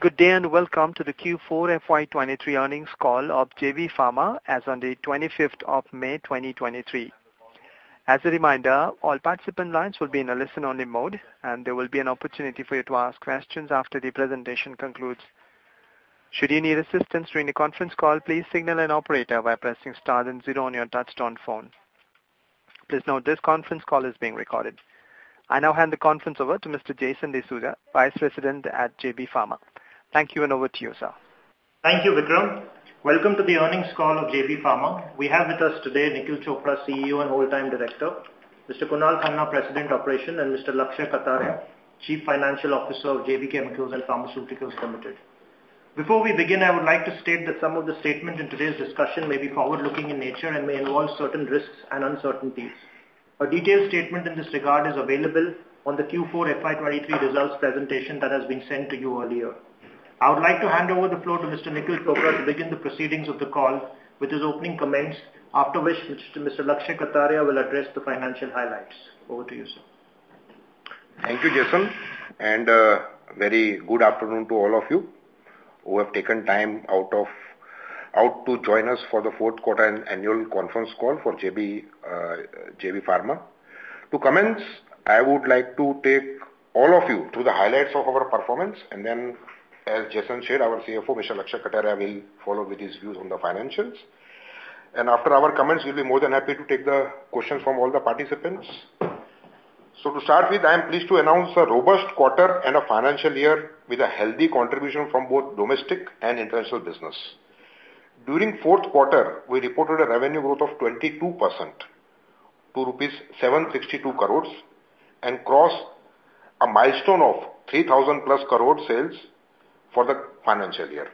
Good day. Welcome to the Q4 FY 2023 earnings call of JB Pharma, as on the 25th of May, 2023. As a reminder, all participant lines will be in a listen-only mode, and there will be an opportunity for you to ask questions after the presentation concludes. Should you need assistance during the conference call, please signal an operator by pressing star and 0 on your touchtone phone. Please note, this conference call is being recorded. I now hand the conference over to Mr. Jason D'Souza, Vice President at JB Pharma. Thank you. Over to you, sir. Thank you, Vikram. Welcome to the earnings call of JB Pharma. We have with us today, Nikhil Chopra, CEO and Whole Time Director, Mr. Kunal Khanna, President, Operations, and Mr. Lakshay Kataria, Chief Financial Officer of J.B. Chemicals & Pharmaceuticals Ltd. Before we begin, I would like to state that some of the statements in today's discussion may be forward-looking in nature and may involve certain risks and uncertainties. A detailed statement in this regard is available on the Q4 FY23 results presentation that has been sent to you earlier. I would like to hand over the floor to Mr. Nikhil Chopra to begin the proceedings of the call with his opening comments, after which Mr. Lakshay Kataria will address the financial highlights. Over to you, sir. Thank you, Jason, and very good afternoon to all of you who have taken time out to join us for the fourth quarter and annual conference call for JB Pharma. To commence, I would like to take all of you through the highlights of our performance, then, as Jason said, our CFO, Mr. Lakshay Kataria, will follow with his views on the financials. After our comments, we'll be more than happy to take the questions from all the participants. To start with, I am pleased to announce a robust quarter and a financial year with a healthy contribution from both domestic and international business. During fourth quarter, we reported a revenue growth of 22% to 762 crores rupees and crossed a milestone of 3,000+ crore sales for the financial year.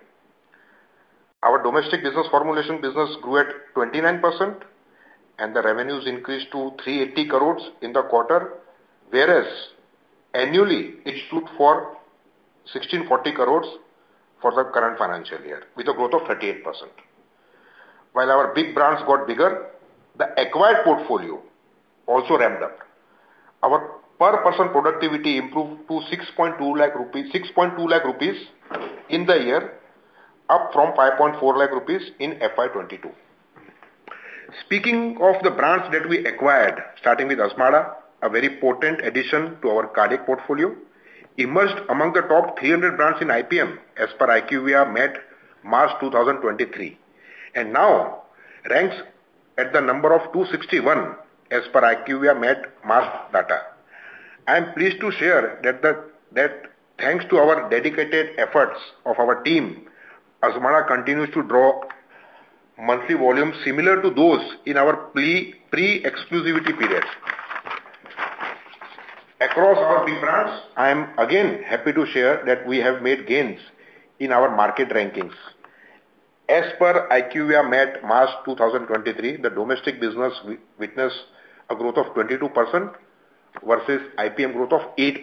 Our domestic business formulation business grew at 29%, and the revenues increased to 380 crores in the quarter, whereas annually, it stood for 1,640 crores for the current financial year, with a growth of 38%. While our big brands got bigger, the acquired portfolio also ramped up. Our per person productivity improved to 6.2 lakh rupees in the year, up from 5.4 lakh rupees in FY 2022. Speaking of the brands that we acquired, starting with Azmarda, a very potent addition to our cardiac portfolio, emerged among the top 300 brands in IPM, as per IQVIA MAT, March 2023, and now ranks at the number of 261, as per IQVIA MAT March data. I am pleased to share that thanks to our dedicated efforts of our team, Azmarda continues to draw monthly volumes similar to those in our pre-exclusivity periods. Across our big brands, I am again happy to share that we have made gains in our market rankings. As per IQVIA MAT, March 2023, the domestic business witnessed a growth of 22% versus IPM growth of 8%.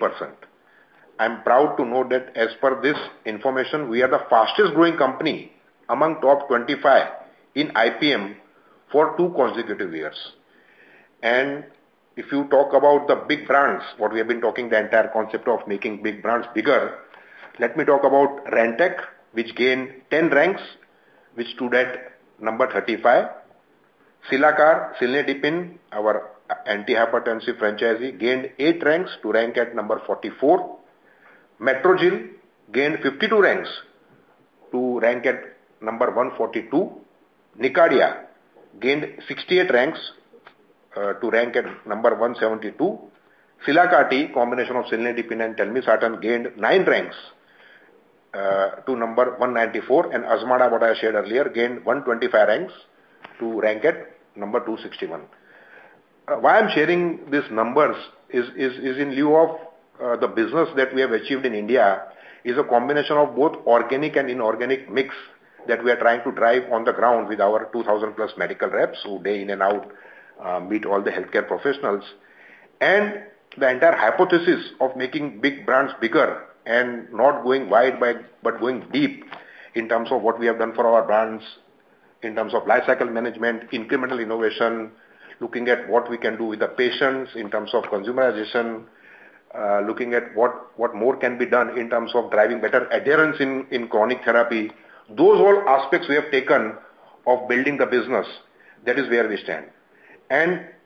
I'm proud to know that as per this information, we are the fastest-growing company among top 25 in IPM for 2 consecutive years. If you talk about the big brands, what we have been talking, the entire concept of making big brands bigger, let me talk about Rantac, which gained 10 ranks, which stood at number 35. Cilacar, Cilnidipine, our anti-hypertensive franchise, gained 8 ranks to rank at number 44. Metrogyl gained 52 ranks to rank at number 142. Nicardia gained 68 ranks to rank at number 172. Cilacar-T, combination of Cilnidipine and telmisartan, gained 9 ranks to number 194. Azmarda, what I shared earlier, gained 125 ranks to rank at number 261. Why I'm sharing these numbers is in lieu of the business that we have achieved in India, is a combination of both organic and inorganic mix that we are trying to drive on the ground with our 2,000-plus medical reps, who day in and out meet all the healthcare professionals. The entire hypothesis of making big brands bigger and not going wide, but going deep in terms of what we have done for our brands, in terms of lifecycle management, incremental innovation, looking at what we can do with the patients, in terms of consumerization, looking at what more can be done in terms of driving better adherence in chronic therapy. Those all aspects we have taken of building the business, that is where we stand.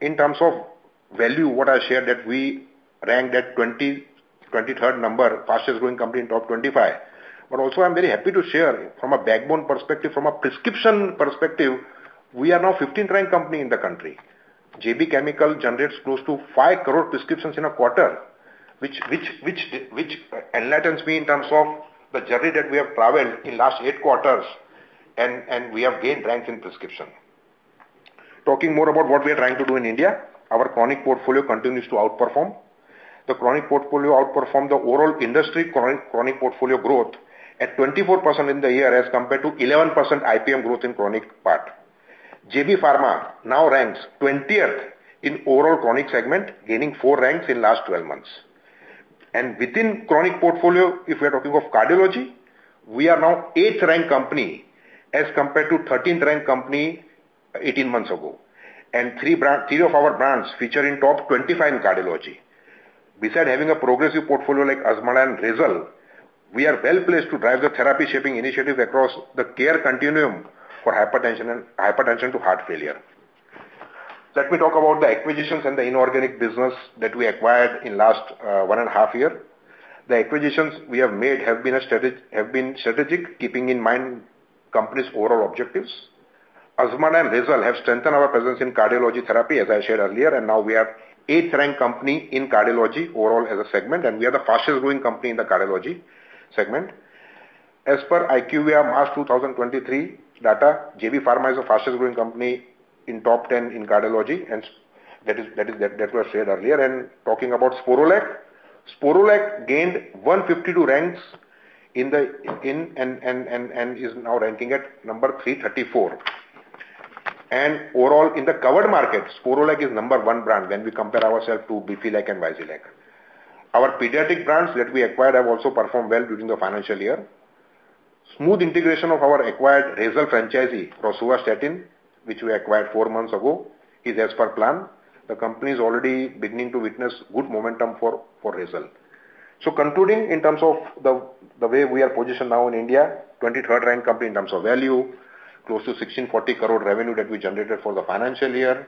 In terms of value, what I shared, that we ranked at 23rd number, fastest growing company in top 25. Also I'm very happy to share from a backbone perspective, from a prescription perspective, we are now 15th ranked company in the country. JB Chemicals generates close to 5 crore prescriptions in a quarter, which enlightens me in terms of the journey that we have traveled in last 8 quarters, and we have gained ranks in prescription. Talking more about what we are trying to do in India, our chronic portfolio continues to outperform. The chronic portfolio outperformed the overall industry chronic portfolio growth at 24% in the year, as compared to 11% IPM growth in chronic part. JB Pharma now ranks 20th in overall chronic segment, gaining 4 ranks in last 12 months. Within chronic portfolio, if we are talking of cardiology, we are now 8th ranked company as compared to 13th ranked company 18 months ago. Three of our brands feature in top 25 in cardiology. Besides having a progressive portfolio like Azmarda and Razel, we are well-placed to drive the therapy-shaping initiative across the care continuum for hypertension and hypertension to heart failure. Let me talk about the acquisitions and the inorganic business that we acquired in last one and a half year. The acquisitions we have made have been strategic, keeping in mind company's overall objectives. Azmarda and Razel have strengthened our presence in cardiology therapy, as I shared earlier, and now we are eighth-ranked company in cardiology overall as a segment, and we are the fastest-growing company in the cardiology segment. As per IQVIA, March 2023 data, JB Pharma is the fastest-growing company in top 10 in cardiology, and that is, that was shared earlier. Talking about Sporlac gained 152 ranks in the and is now ranking at number 334. Overall, in the covered markets, Sporlac is number 1 brand when we compare ourselves to Bifilac and Vizylac. Our pediatric brands that we acquired have also performed well during the financial year. Smooth integration of our acquired Razel franchise from rosuvastatin, which we acquired 4 months ago, is as per plan. The company is already beginning to witness good momentum for Razel. Concluding in terms of the way we are positioned now in India, 23rd ranked company in terms of value, close to 1,640 crore revenue that we generated for the financial year.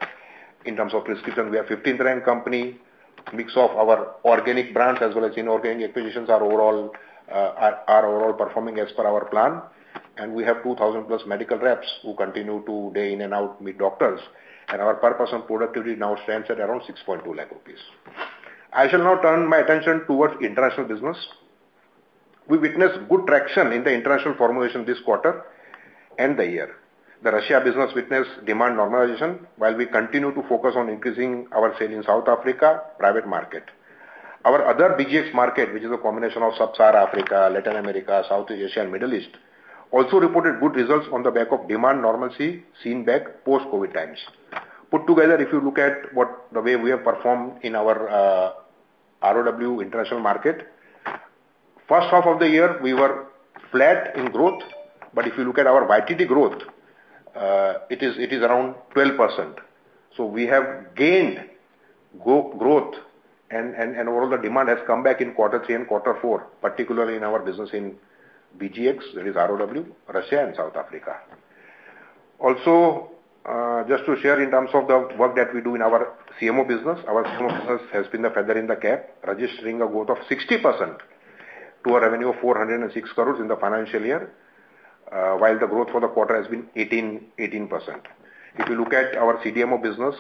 In terms of prescription, we are 15th ranked company. Mix of our organic brands as well as inorganic acquisitions are overall performing as per our plan. We have 2,000-plus medical reps who continue to day in and out, meet doctors. Our per person productivity now stands at around 6.2 lakh rupees. I shall now turn my attention towards international business. We witnessed good traction in the international formulation this quarter and the year. The Russia business witnessed demand normalization, while we continue to focus on increasing our sale in South Africa private market. Our other BGX market, which is a combination of Sub-Sahara Africa, Latin America, Southeast Asia, and Middle East, also reported good results on the back of demand normalcy seen back post-COVID times. Put together, if you look at what, the way we have performed in our ROW international market, first half of the year, we were flat in growth, but if you look at our YTD growth, it is around 12%. We have gained growth and overall the demand has come back in quarter three and quarter four, particularly in our business in BGX, that is ROW, Russia and South Africa. Just to share in terms of the work that we do in our CMO business, our CMO business has been a feather in the cap, registering a growth of 60% to a revenue of 406 crores in the financial year, while the growth for the quarter has been 18%. If you look at our CDMO business,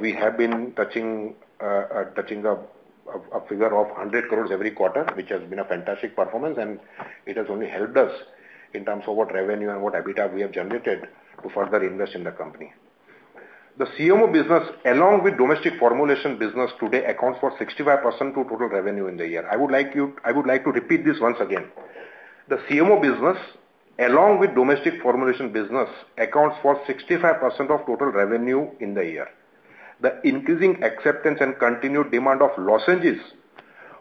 we have been touching a figure of 100 crores every quarter, which has been a fantastic performance, and it has only helped us in terms of what revenue and what EBITDA we have generated to further invest in the company. The CMO business, along with domestic formulation business, today accounts for 65% to total revenue in the year. I would like to repeat this once again. The CMO business, along with domestic formulation business, accounts for 65% of total revenue in the year. The increasing acceptance and continued demand of lozenges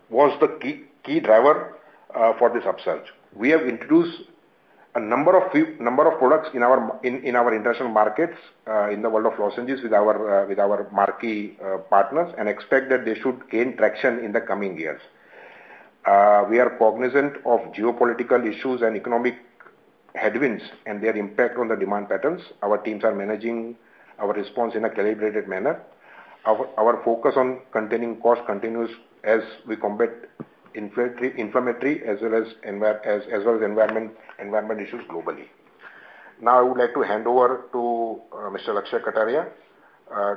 was the key driver for this upsurge. We have introduced a number of products in our international markets, in the world of lozenges with our marquee partners, expect that they should gain traction in the coming years. We are cognizant of geopolitical issues and economic headwinds and their impact on the demand patterns. Our teams are managing our response in a calibrated manner. Our focus on containing cost continues as we combat inflammatory, as well as environment issues globally. I would like to hand over to Mr. Lakshay Kataria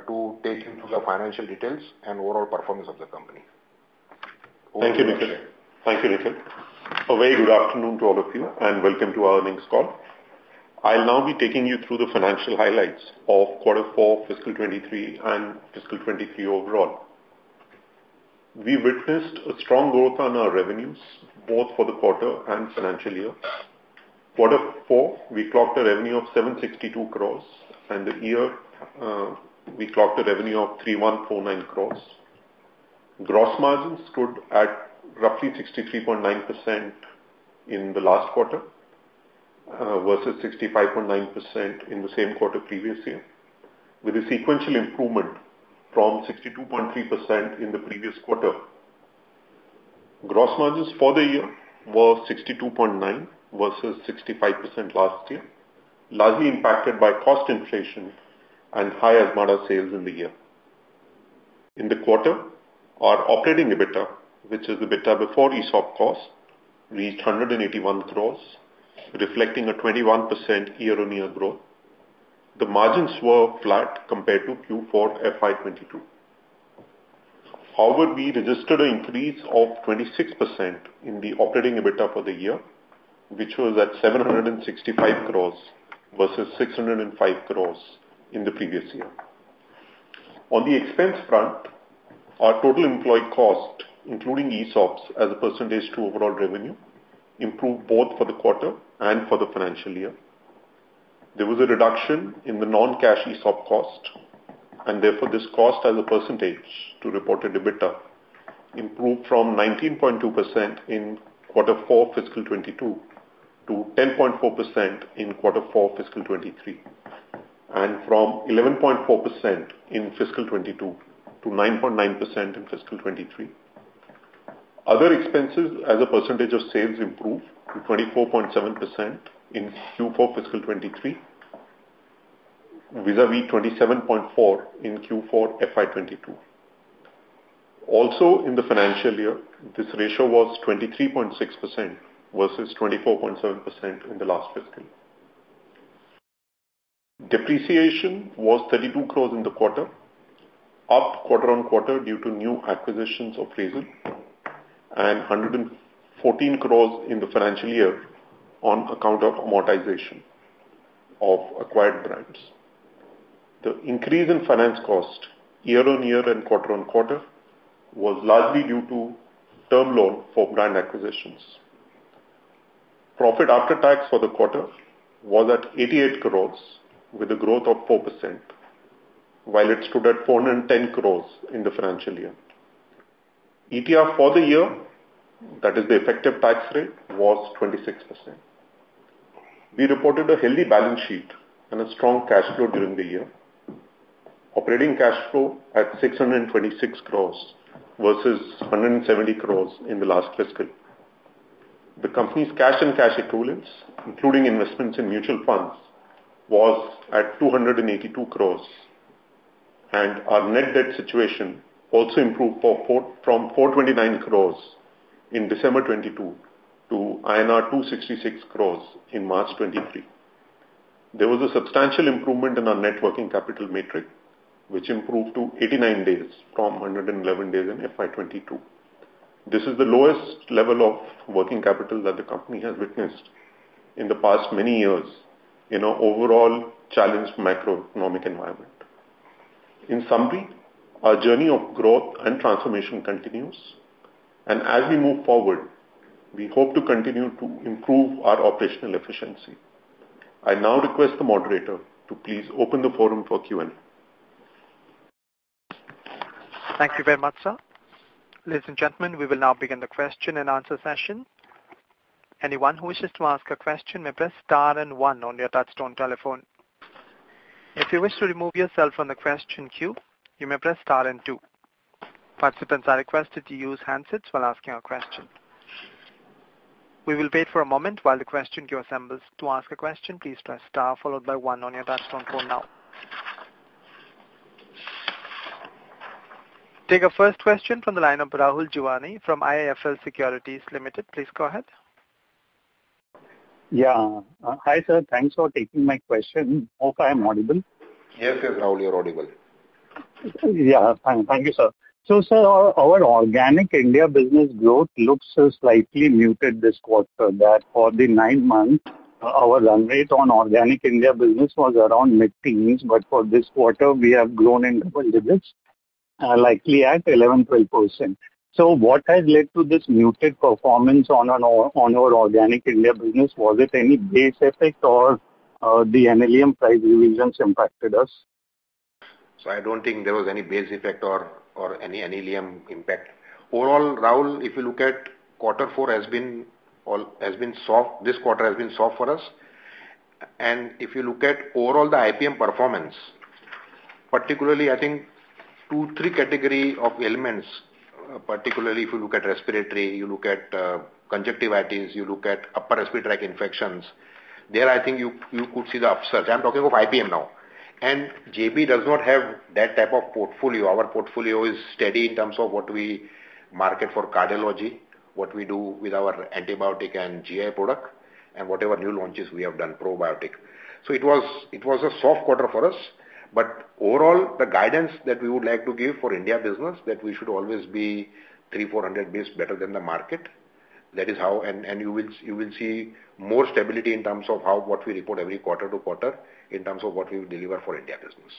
to take you through the financial details and overall performance of the company. Thank you, Nikhil. Thank you, Nikhil. A very good afternoon to all of you, and welcome to our earnings call. I'll now be taking you through the financial highlights of quarter four, fiscal 2023, and fiscal 2023 overall. We witnessed a strong growth on our revenues, both for the quarter and financial year. Quarter four, we clocked a revenue of 762 crores, and the year, we clocked a revenue of 3,149 crores. Gross margins stood at roughly 63.9% in the last quarter versus 65.9% in the same quarter previous year, with a sequential improvement from 62.3% in the previous quarter. Gross margins for the year were 62.9% versus 65% last year, largely impacted by cost inflation and high Azmarda sales in the year. In the quarter, our operating EBITDA, which is EBITDA before ESOP cost, reached 181 crores, reflecting a 21% year-on-year growth. The margins were flat compared to Q4 FY22. We registered an increase of 26% in the operating EBITDA for the year, which was at 765 crores versus 605 crores in the previous year. On the expense front, our total employee cost, including ESOPs as a percentage to overall revenue, improved both for the quarter and for the financial year. There was a reduction in the non-cash ESOP cost, therefore, this cost as a percentage to reported EBITDA improved from 19.2% in quarter 4, fiscal 22, to 10.4% in quarter 4, fiscal 23, and from 11.4% in fiscal 22 to 9.9% in fiscal 23. Other expenses as a percentage of sales, improved to 24.7% in Q4 FY23, vis-a-vis 27.4% in Q4 FY22. In the financial year, this ratio was 23.6% versus 24.7% in the last fiscal. Depreciation was 32 crores in the quarter, up quarter-on-quarter due to new acquisitions of Razel, and 114 crores in the financial year on account of amortization of acquired brands. The increase in finance cost, year-on-year and quarter-on-quarter, was largely due to term loan for brand acquisitions. Profit after tax for the quarter was at 88 crores, with a growth of 4%, while it stood at 410 crores in the financial year. ETR for the year, that is the effective tax rate, was 26%. We reported a healthy balance sheet and a strong cash flow during the year. Operating cash flow at 626 crores versus 170 crores in the last fiscal. The company's cash and cash equivalents, including investments in mutual funds, was at 282 crores, and our net debt situation also improved from 429 crores in December 2022 to INR 266 crores in March 2023. There was a substantial improvement in our net working capital metric, which improved to 89 days from 111 days in FY 2022. This is the lowest level of working capital that the company has witnessed in the past many years, in an overall challenged macroeconomic environment. In summary, our journey of growth and transformation continues, and as we move forward, we hope to continue to improve our operational efficiency. I now request the moderator to please open the forum for Q&A. Thank you very much, sir. Ladies and gentlemen, we will now begin the question and answer session. Anyone who wishes to ask a question, may press star and one on your touchtone telephone. If you wish to remove yourself from the question queue, you may press star and two. Participants are requested to use handsets while asking a question. We will wait for a moment while the question queue assembles. To ask a question, please press star followed by one on your touchtone phone now. Take our first question from the line of Rahul Jeewani from IIFL Securities Limited. Please go ahead. Yeah. Hi, sir, thanks for taking my question. Hope I am audible. Yes, Rahul, you're audible. Yeah. Thank you, sir. Sir, our organic India business growth looks slightly muted this quarter, that for the 9 months, our run rate on organic India business was around mid-teens, but for this quarter, we have grown in double digits, likely at 11, 12%. What has led to this muted performance on our organic India business? Was it any base effect or the annual price revisions impacted us? I don't think there was any base effect or any annual impact. Overall, Rahul, if you look at quarter four has been soft, this quarter has been soft for us. If you look at overall the IPM performance, particularly, I think, two, three category of elements, particularly if you look at respiratory, you look at conjunctivitis, you look at upper respiratory tract infections, there, I think you could see the upsurge. I'm talking of IPM now. JB does not have that type of portfolio. Our portfolio is steady in terms of what we market for cardiology, what we do with our antibiotic and GI product, and whatever new launches we have done, probiotic. It was a soft quarter for us, but overall, the guidance that we would like to give for India business, that we should always be 300, 400 base better than the market. That is how. You will see more stability in terms of how, what we report every quarter to quarter, in terms of what we will deliver for India business.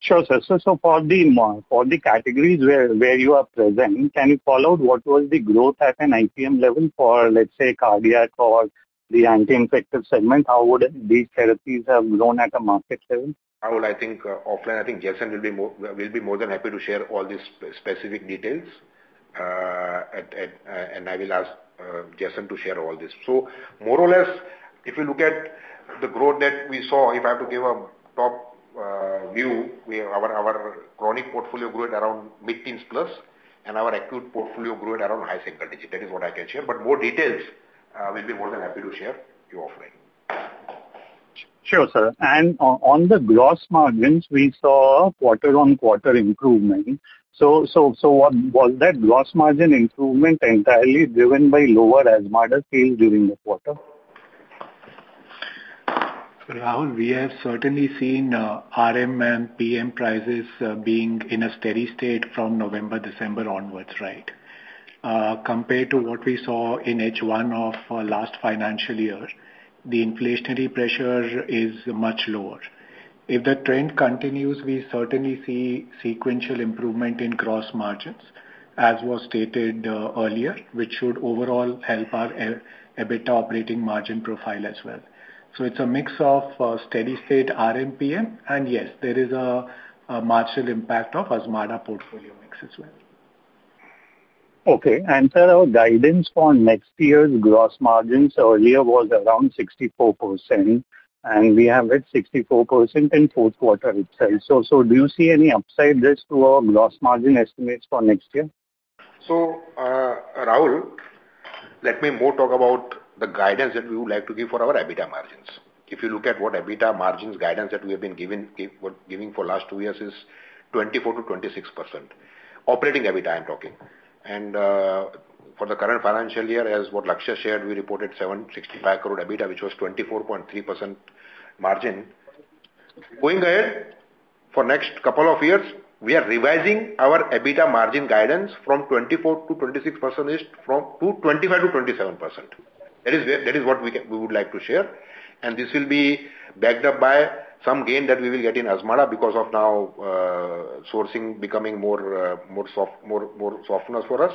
Sure, sir. For the categories where you are present, can you call out what was the growth at an IPM level for, let's say, cardiac or the anti-infective segment? How would these therapies have grown at a market level? Rahul, I think, offline, I think Jason will be more than happy to share all these specific details. I will ask Jason to share all this. More or less, if you look at the growth that we saw, if I have to give a top view, our chronic portfolio grew at around mid-teens plus, and our acute portfolio grew at around high single digit. That is what I can share, but more details, we'll be more than happy to share to you offline. Sure, sir. And on the gross margins, we saw quarter-on-quarter improvement. Was that gross margin improvement entirely driven by lower Azmarda sales during the quarter? Rahul, we have certainly seen RM and PM prices being in a steady state from November, December onwards, right? Compared to what we saw in H1 of last financial year, the inflationary pressure is much lower. If that trend continues, we certainly see sequential improvement in gross margins. As was stated earlier, which should overall help our EBITDA operating margin profile as well. It's a mix of steady state RMPM, and yes, there is a marginal impact of Azmarda portfolio mix as well. Okay. Sir, our guidance for next year's gross margins earlier was around 64%, and we have it 64% in fourth quarter itself. Do you see any upside risk to our gross margin estimates for next year? Rahul, let me more talk about the guidance that we would like to give for our EBITDA margins. If you look at what EBITDA margins guidance that we have been giving for last two years is 24%-26%. Operating EBITDA, I'm talking. For the current financial year, as what Lakshay shared, we reported 765 crore EBITDA, which was 24.3% margin. Going ahead, for next couple of years, we are revising our EBITDA margin guidance from 24%-26% to 25%-27%. That is what we would like to share. This will be backed up by some gain that we will get in Azmarda because of now sourcing becoming more softness for us.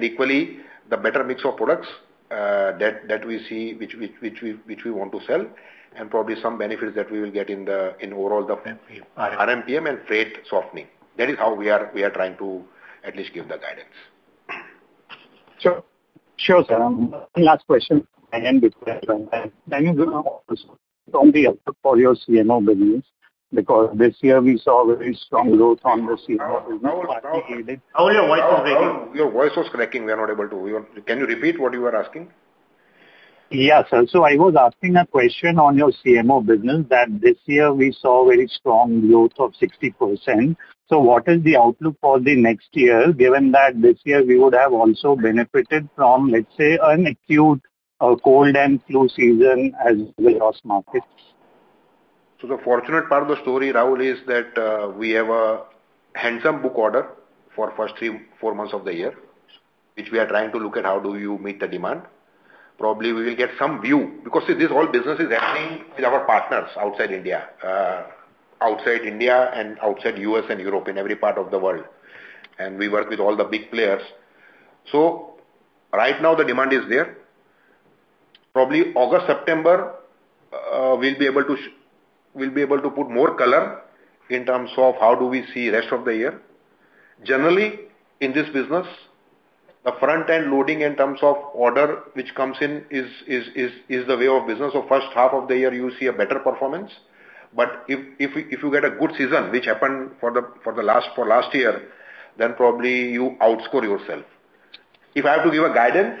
Equally, the better mix of products, that we see, which we want to sell, and probably some benefits that we will get in the overall. RMPM. RMPM and freight softening. That is how we are trying to at least give the guidance. Sure. Sure, sir. One last question, and then we for your CMO business, because this year we saw very strong growth on the CMO. Now, your voice was cracking. We are not able to hear. Can you repeat what you were asking? Yeah, sir. I was asking a question on your CMO business, that this year we saw very strong growth of 60%. What is the outlook for the next year, given that this year we would have also benefited from, let's say, an acute, cold and flu season as well as markets? The fortunate part of the story, Rahul, is that we have a handsome book order for first three, four months of the year, which we are trying to look at how do you meet the demand. Probably, we will get some view, because, see, this whole business is happening with our partners outside India, outside India and outside U.S. and Europe, in every part of the world, and we work with all the big players. Right now, the demand is there. Probably August, September, we'll be able to put more color in terms of how do we see rest of the year. Generally, in this business, the front-end loading in terms of order, which comes in, is the way of business. First half of the year, you see a better performance. If you get a good season, which happened for last year, then probably you outscore yourself. If I have to give a guidance,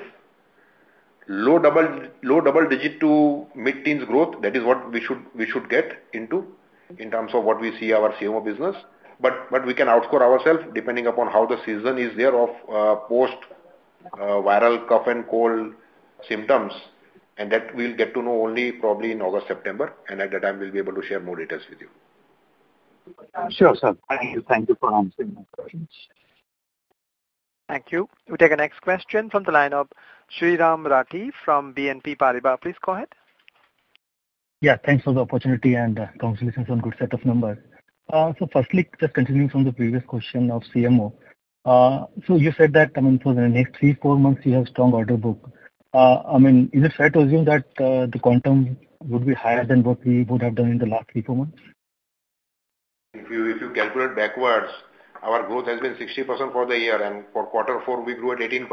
low double digit to mid-teens growth, that is what we should get into in terms of what we see our CMO business. We can outscore ourselves, depending upon how the season is there of post viral cough and cold symptoms, and that we'll get to know only probably in August, September, and at that time, we'll be able to share more details with you. Sure, sir. Thank you. Thank you for answering my questions. Thank you. We take the next question from the line of Sriraam Rathi from BNP Paribas. Please go ahead. Thanks for the opportunity and congratulations on good set of numbers. Firstly, just continuing from the previous question of CMO. You said that, I mean, for the next 3, 4 months, you have strong order book. I mean, is it fair to assume that the quantum would be higher than what we would have done in the last 3, 4 months? If you calculate backwards, our growth has been 60% for the year, and for quarter four, we grew at 18%.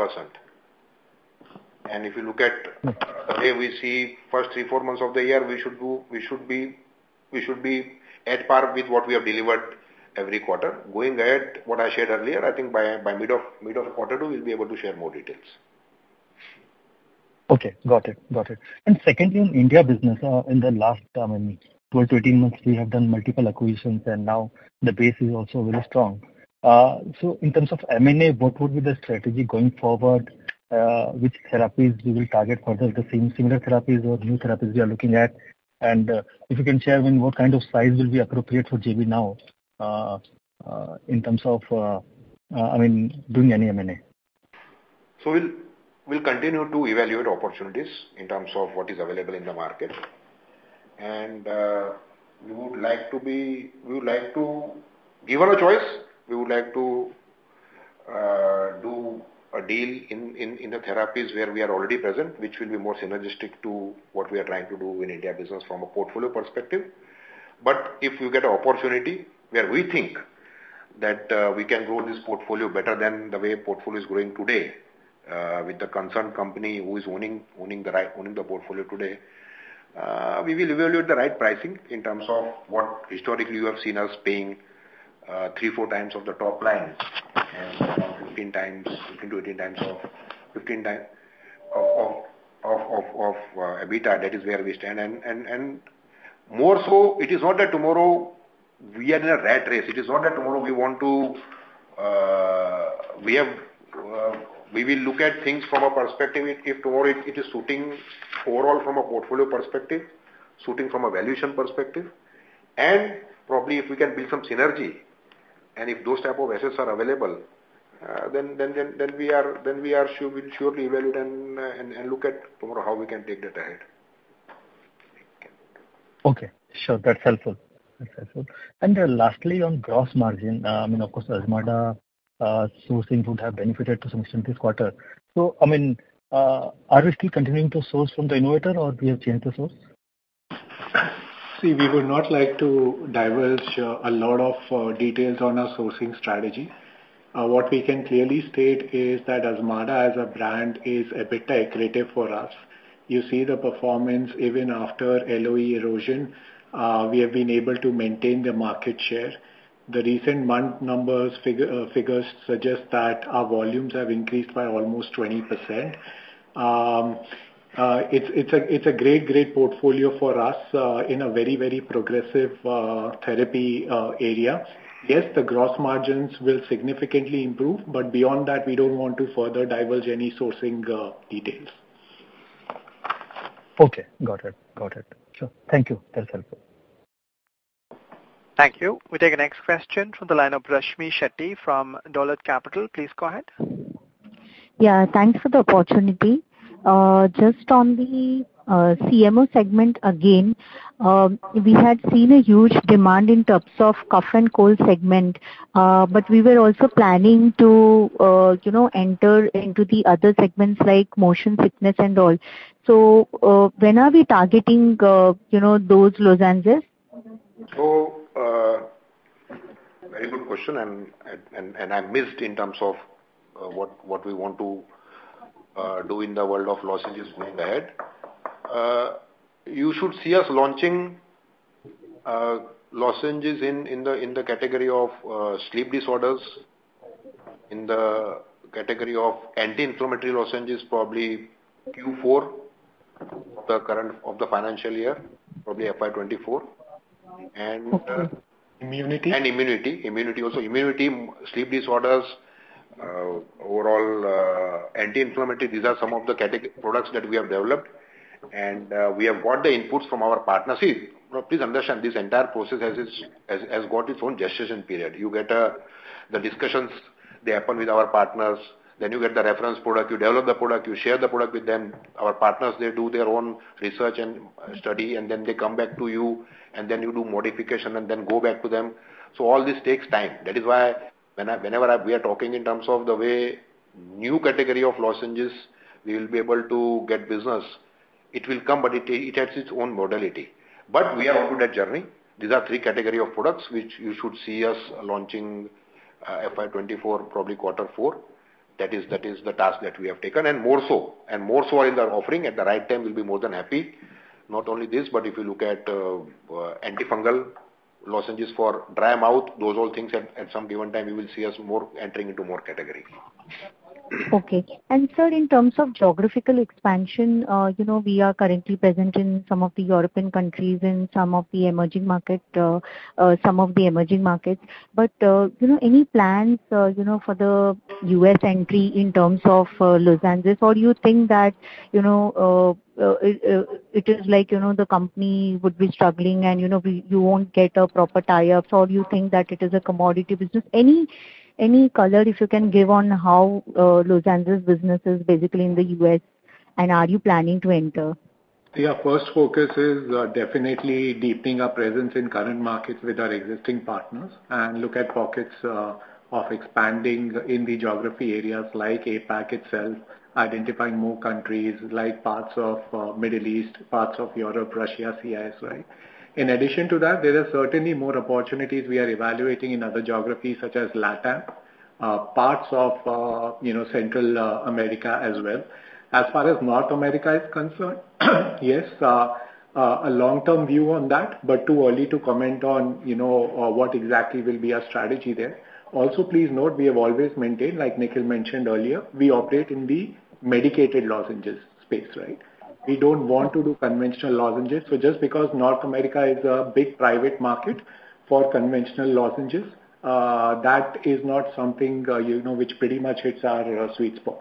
Okay. Where we see first 3, 4 months of the year, we should be at par with what we have delivered every quarter. Going ahead, what I shared earlier, I think by mid of quarter 2, we'll be able to share more details. Okay, got it. Got it. Secondly, in India business, in the last, I mean, 12, 18 months, we have done multiple acquisitions, and now the base is also very strong. In terms of M&A, what would be the strategy going forward? Which therapies you will target further, the same similar therapies or new therapies we are looking at? If you can share, I mean, what kind of size will be appropriate for JB Pharma now, in terms of, I mean, doing any M&A? We'll continue to evaluate opportunities in terms of what is available in the market. We would like to... Given a choice, we would like to do a deal in the therapies where we are already present, which will be more synergistic to what we are trying to do in India Business from a portfolio perspective. If you get an opportunity where we think that we can grow this portfolio better than the way portfolio is growing today, with the concerned company who is owning the right, owning the portfolio today, we will evaluate the right pricing in terms of what historically you have seen us paying 3, 4 times of the top line, and 15 times, 15-18 times of 15 time of EBITDA. That is where we stand. More so, it is not that tomorrow we are in a rat race. It is not that tomorrow we want to. We will look at things from a perspective if tomorrow it is suiting overall from a portfolio perspective, suiting from a valuation perspective, and probably if we can build some synergy, and if those type of assets are available, then we are sure, we'll surely evaluate and look at tomorrow, how we can take that ahead. Okay, sure. That's helpful. That's helpful. Lastly, on gross margin, I mean, of course, Azmarda sourcing would have benefited to some extent this quarter. I mean, are we still continuing to source from the innovator, or we have changed the source? See, we would not like to diverge a lot of details on our sourcing strategy. What we can clearly state is that Azmarda, as a brand, is a bit decorative for us. You see the performance even after LOE erosion, we have been able to maintain the market share. The recent month numbers, figures suggest that our volumes have increased by almost 20%. It's a great portfolio for us, in a very, very progressive therapy area. Yes, the gross margins will significantly improve, but beyond that, we don't want to further diverge any sourcing details. Okay, got it. Got it. Sure. Thank you. That's helpful. Thank you. We take the next question from the line of Rashmi Shetty from Dolat Capital. Please go ahead. Yeah, thanks for the opportunity. Just on the CMO segment again, we had seen a huge demand in terms of cough and cold segment, but we were also planning to, you know, enter into the other segments like motion sickness and all. When are we targeting, you know, those lozenges? Very good question, and I missed in terms of what we want to do in the world of lozenges going ahead. You should see us launching lozenges in the category of sleep disorders, in the category of anti-inflammatory lozenges, probably Q4 of the current, of the financial year, probably FY 2024. Okay. Immunity? Immunity. Immunity also. Immunity, sleep disorders, overall, anti-inflammatory, these are some of the category products that we have developed, and we have got the inputs from our partners. Please understand, this entire process has got its own gestation period. You get, the discussions, they happen with our partners, then you get the reference product, you develop the product, you share the product with them. Our partners, they do their own research and study, and then they come back to you, and then you do modification and then go back to them. All this takes time. That is why whenever I, we are talking in terms of the way new category of lozenges, we will be able to get business, it will come, but it has its own modality. We are on good at journey. These are 3 category of products which you should see us launching, FY 2024, probably quarter four. That is the task that we have taken, and more so in our offering. At the right time, we'll be more than happy. Not only this, but if you look at antifungal lozenges for dry mouth, those all things at some given time, you will see us more entering into more categories. Okay. Sir, in terms of geographical expansion, you know, we are currently present in some of the European countries and some of the emerging markets. You know, any plans, you know, for the US entry in terms of lozenges? You think that, you know, it is like, you know, the company would be struggling and, you know, you won't get a proper tie-ups, or you think that it is a commodity business? Any color if you can give on how lozenges business is basically in the US, and are you planning to enter? Yeah, first focus is definitely deepening our presence in current markets with our existing partners and look at pockets of expanding in the geography areas like APAC itself, identifying more countries like parts of Middle East, parts of Europe, Russia, CIS, right? In addition to that, there are certainly more opportunities we are evaluating in other geographies, such as LATAM, parts of, you know, Central America as well. As far as North America is concerned, yes, a long-term view on that, but too early to comment on, you know, what exactly will be our strategy there. Also, please note, we have always maintained, like Nikhil mentioned earlier, we operate in the medicated lozenges space, right? We don't want to do conventional lozenges. Just because North America is a big private market for conventional lozenges, that is not something, you know, which pretty much hits our sweet spot.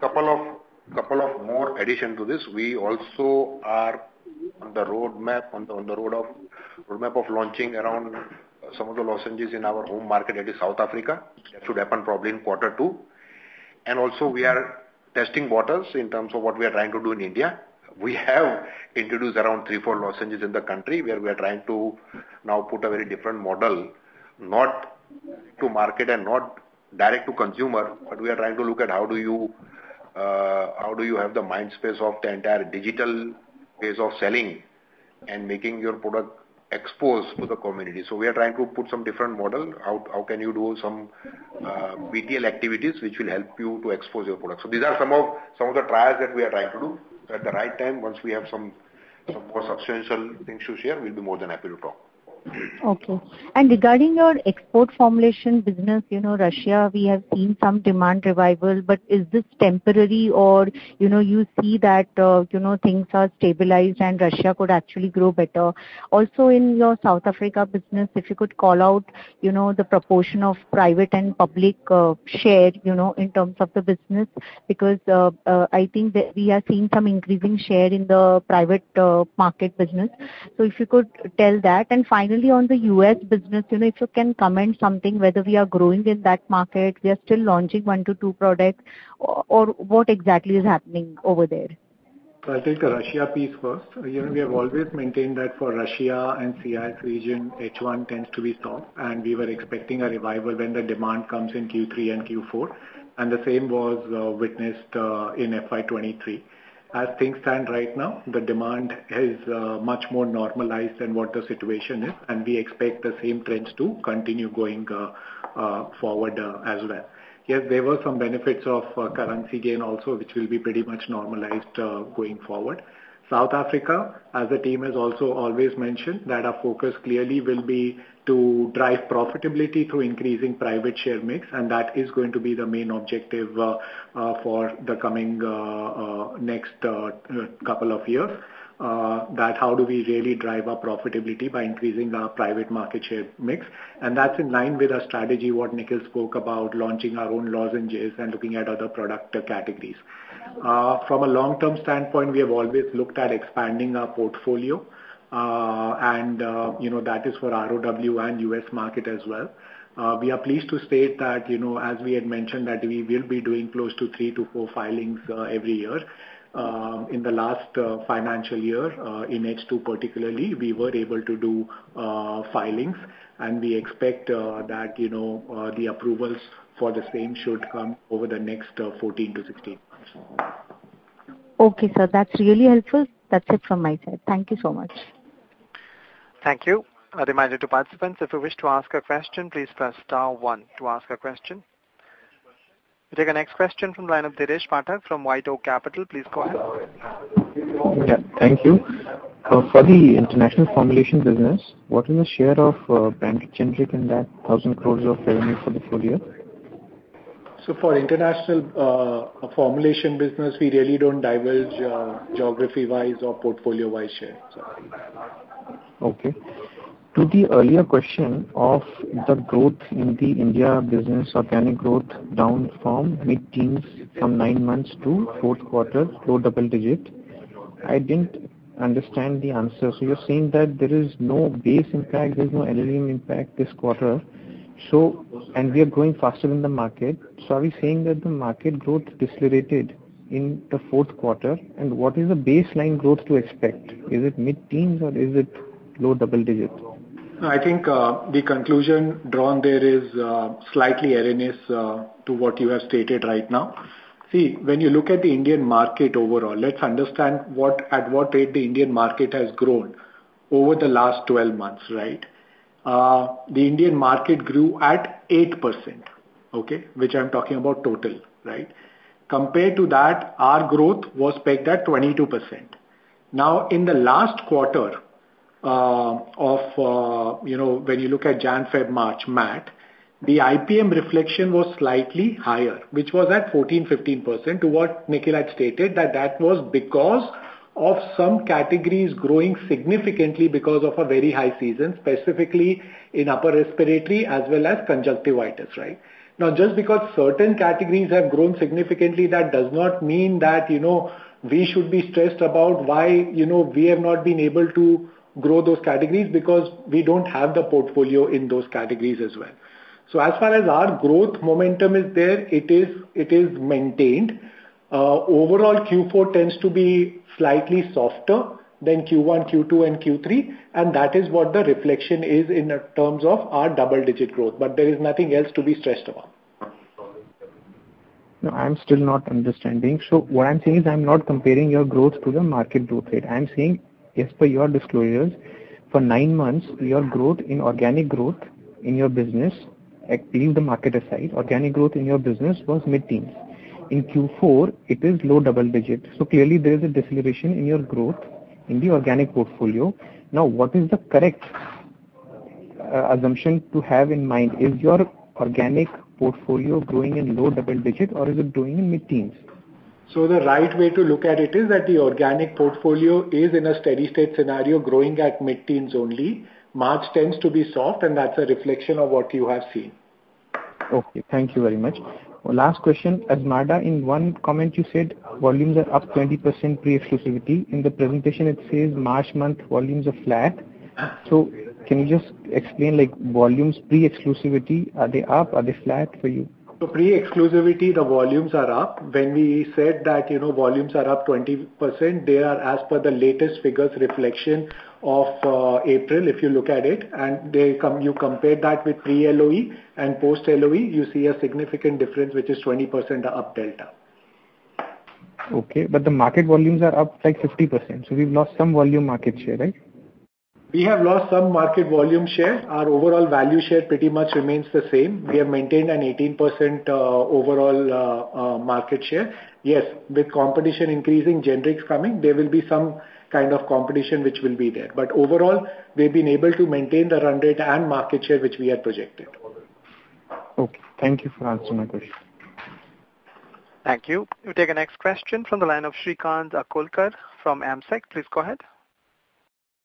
Couple of more addition to this. We also are on the roadmap, on the roadmap of launching around some of the lozenges in our home market, that is South Africa. It should happen probably in quarter two. Also, we are testing waters in terms of what we are trying to do in India. We have introduced around 3, 4 lozenges in the country, where we are trying to now put a very different model, not to market and not direct to consumer, but we are trying to look at how do you have the mind space of the entire digital phase of selling and making your product exposed to the community? We are trying to put some different model. How can you do some retail activities which will help you to expose your product? These are some of the trials that we are trying to do. At the right time, once we have some more substantial things to share, we'll be more than happy to talk. Okay. Regarding your export formulation business, you know, Russia, we have seen some demand revival, but is this temporary or, you know, you see that, you know, things are stabilized and Russia could actually grow better? Also, in your South Africa business, if you could call out, you know, the proportion of private and public share, you know, in terms of the business, because, I think that we are seeing some increasing share in the private market business. If you could tell that. Finally, on the U.S. business, you know, if you can comment something, whether we are growing in that market, we are still launching 1 to 2 products, or what exactly is happening over there? I'll take the Russia piece first. You know, we have always maintained that for Russia and CIS region, H1 tends to be soft, and we were expecting a revival when the demand comes in Q3 and Q4, and the same was witnessed in FY 2023. As things stand right now, the demand is much more normalized than what the situation is, and we expect the same trends to continue going forward as well. Yes, there were some benefits of currency gain also, which will be pretty much normalized going forward. South Africa, as the team has also always mentioned, that our focus clearly will be to drive profitability through increasing private share mix, and that is going to be the main objective for the coming next couple of years. That how do we really drive our profitability by increasing our private market share mix, and that's in line with our strategy, what Nikhil spoke about, launching our own lozenges and looking at other product categories. From a long-term standpoint, we have always looked at expanding our portfolio, and, you know, that is for ROW and U.S. market as well. We are pleased to state that, you know, as we had mentioned, that we will be doing close to 3 to 4 filings every year. In the last financial year, in H2 particularly, we were able to do filings, and we expect that, you know, the approvals for the same should come over the next 14 to 16 months. Okay, sir. That's really helpful. That's it from my side. Thank you so much. Thank you. A reminder to participants, if you wish to ask a question, please press star 1 to ask a question. We'll take our next question from the line of Dheeresh Pathak from White Oak Capital. Please go ahead. Thank you. For the international formulation business, what is the share of brand generic in that 1,000 crores of revenue for the full year? For international formulation business, we really don't divulge geography-wise or portfolio-wise share. Okay. To the earlier question of the growth in the India business, organic growth down from mid-teens from nine months to fourth quarter, low double digit. I didn't understand the answer. You're saying that there is no base impact, there's no impact this quarter, and we are growing faster than the market. Are we saying that the market growth decelerated in the fourth quarter, and what is the baseline growth to expect? Is it mid-teens or is it low double digit? I think the conclusion drawn there is slightly erroneous to what you have stated right now. When you look at the Indian market overall, let's understand at what rate the Indian market has grown over the last 12 months, right? The Indian market grew at 8%, okay? Which I'm talking about total, right. Compared to that, our growth was pegged at 22%. In the last quarter, of, you know, when you look at January, February, March, MAT, the IPM reflection was slightly higher, which was at 14%, 15%, to what Nikhil had stated, that that was because of some categories growing significantly because of a very high season, specifically in upper respiratory as well as conjunctivitis, right? Just because certain categories have grown significantly, that does not mean that, you know, we should be stressed about why, you know, we have not been able to grow those categories, because we don't have the portfolio in those categories as well. As far as our growth momentum is there, it is maintained. Overall, Q4 tends to be slightly softer than Q1, Q2, and Q3, that is what the reflection is in the terms of our double-digit growth, but there is nothing else to be stressed about. No, I'm still not understanding. What I'm saying is, I'm not comparing your growth to the market growth rate. I'm saying, as per your disclosures, for nine months, your growth in organic growth in your business, leaving the market aside, organic growth in your business was mid-teens. In Q4, it is low double digit. Clearly there is a deceleration in your growth in the organic portfolio. What is the correct assumption to have in mind? Is your organic portfolio growing in low double digit or is it growing in mid-teens? The right way to look at it is that the organic portfolio is in a steady state scenario, growing at mid-teens only. March tends to be soft, and that's a reflection of what you have seen. Okay, thank you very much. Last question: Azmarda, in one comment, you said volumes are up 20% pre-exclusivity. In the presentation, it says March month volumes are flat. Can you just explain, like, volumes pre-exclusivity, are they up, are they flat for you? Pre-exclusivity, the volumes are up. When we said that, you know, volumes are up 20%, they are as per the latest figures, reflection of April, if you look at it, and you compare that with pre-LOE and post-LOE, you see a significant difference, which is 20% up delta. The market volumes are up, like, 50%, we've lost some volume market share, right? We have lost some market volume share. Our overall value share pretty much remains the same. We have maintained an 18% overall market share. Yes, with competition increasing, generics coming, there will be some kind of competition which will be there. Overall, we've been able to maintain the run rate and market share, which we had projected. Okay, thank you for answering my question. Thank you. We'll take the next question from the line of Shrikant Akolkar from AMSEC. Please go ahead.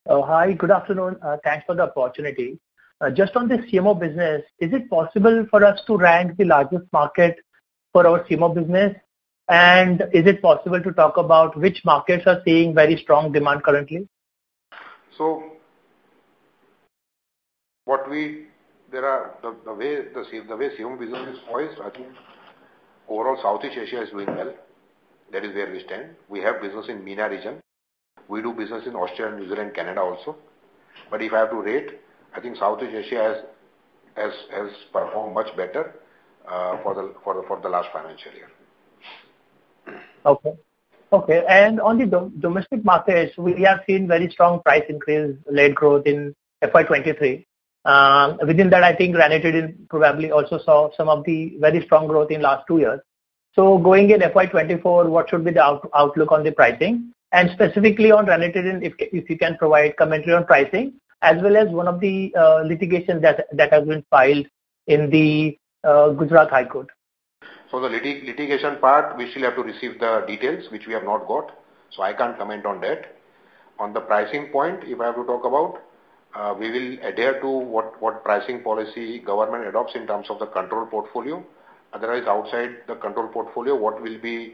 Hi, good afternoon. Thanks for the opportunity. Just on the CMO business, is it possible for us to rank the largest market for our CMO business? Is it possible to talk about which markets are seeing very strong demand currently? ...The way business is poised, I think overall Southeast Asia is doing well. That is where we stand. We have business in MENA region. We do business in Australia, New Zealand, Canada also. If I have to rate, I think Southeast Asia has performed much better for the last financial year. Okay. On the domestic markets, we have seen very strong price increase, lead growth in FY 2023. Within that, I think ranitidine probably also saw some of the very strong growth in last two years. Going in FY 2024, what should be the outlook on the pricing? Specifically on ranitidine, if you can provide commentary on pricing, as well as one of the litigations that have been filed in the Gujarat High Court. The litigation part, we still have to receive the details, which we have not got, so I can't comment on that. On the pricing point, if I have to talk about, we will adhere to what pricing policy government adopts in terms of the control portfolio. Otherwise, outside the control portfolio, what we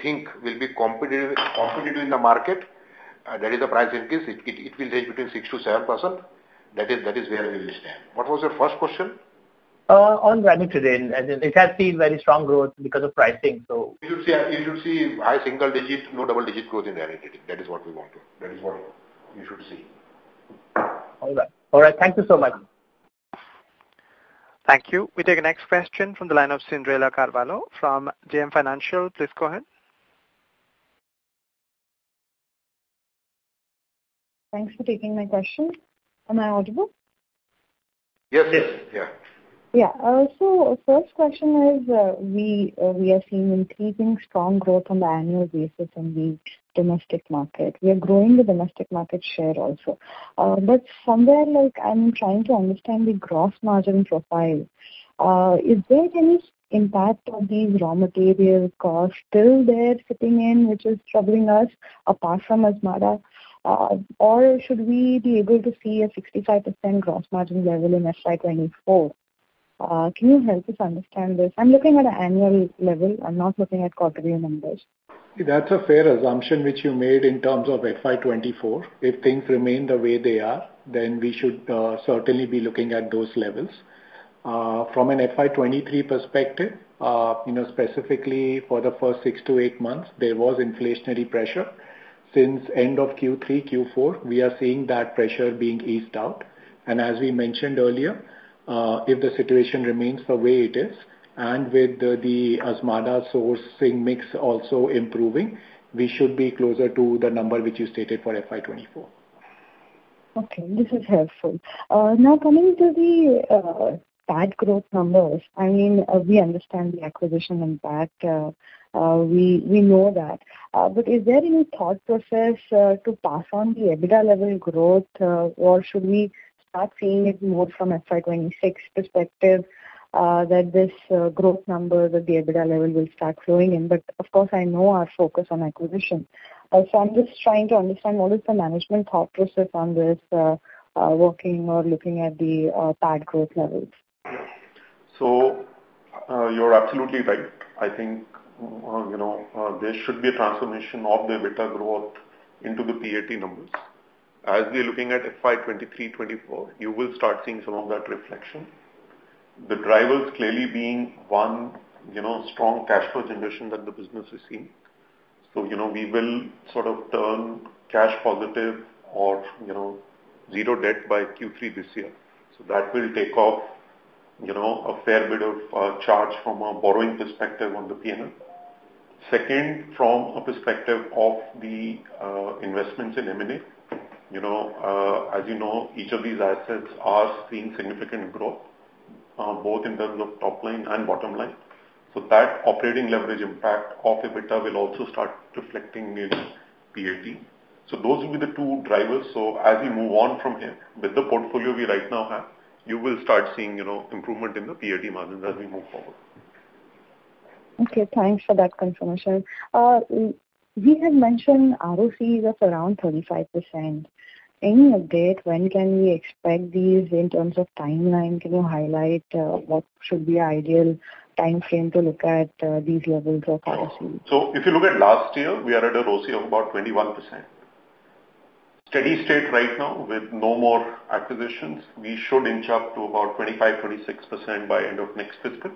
think will be competitive in the market, there is a price increase. It will range between 6%-7%. That is where we will stand. What was your first question? on ranitidine, it has seen very strong growth because of pricing. You should see high single digits to double-digit growth in ranitidine. That is what you should see. All right. All right, thank you so much. Thank you. We take the next question from the line of Cyndrella Carvalho from JM Financial. Please go ahead. Thanks for taking my question. Am I audible? Yes, yes. Yeah. First question is, we are seeing increasing strong growth on the annual basis in the domestic market. We are growing the domestic market share also. Somewhere, like, I'm trying to understand the gross margin profile. Is there any impact of the raw material cost still there fitting in, which is troubling us, apart from Azmarda? Should we be able to see a 65% gross margin level in FY 2024? Can you help us understand this? I'm looking at an annual level. I'm not looking at quarterly numbers. That's a fair assumption which you made in terms of FY 2024. If things remain the way they are, then we should certainly be looking at those levels. From an FY 2023 perspective, you know, specifically for the first six to eight months, there was inflationary pressure. Since end of Q3, Q4, we are seeing that pressure being eased out. As we mentioned earlier, if the situation remains the way it is, and with the Azmarda sourcing mix also improving, we should be closer to the number which you stated for FY 2024. Okay, this is helpful. Now coming to the PAT growth numbers, I mean, we understand the acquisition impact, we know that. Is there any thought process to pass on the EBITDA level growth, or should we start seeing it more from FY26 perspective, that this growth number at the EBITDA level will start flowing in? Of course, I know our focus on acquisition. I'm just trying to understand what is the management thought process on this working or looking at the PAT growth levels. You're absolutely right. I think, you know, there should be a transformation of the EBITDA growth into the PAT numbers. As we are looking at FY 2023, 2024, you will start seeing some of that reflection. The drivers clearly being, one, you know, strong cash flow generation that the business is seeing. We will sort of turn cash positive or, you know, zero debt by Q3 this year. That will take off, you know, a fair bit of charge from a borrowing perspective on the P&L. Second, from a perspective of the investments in M&A, you know, as you know, each of these assets are seeing significant growth, both in terms of top line and bottom line. That operating leverage impact of EBITDA will also start reflecting in PAT. Those will be the two drivers. As we move on from here, with the portfolio we right now have, you will start seeing, you know, improvement in the PAT margin as we move forward. Okay, thanks for that confirmation. You had mentioned ROCEs of around 35%. Any update, when can we expect these in terms of timeline? Can you highlight, what should be ideal timeframe to look at, these levels of ROCEs? If you look at last year, we are at a ROCE of about 21%. Steady state right now, with no more acquisitions, we should inch up to about 25%-26% by end of next fiscal,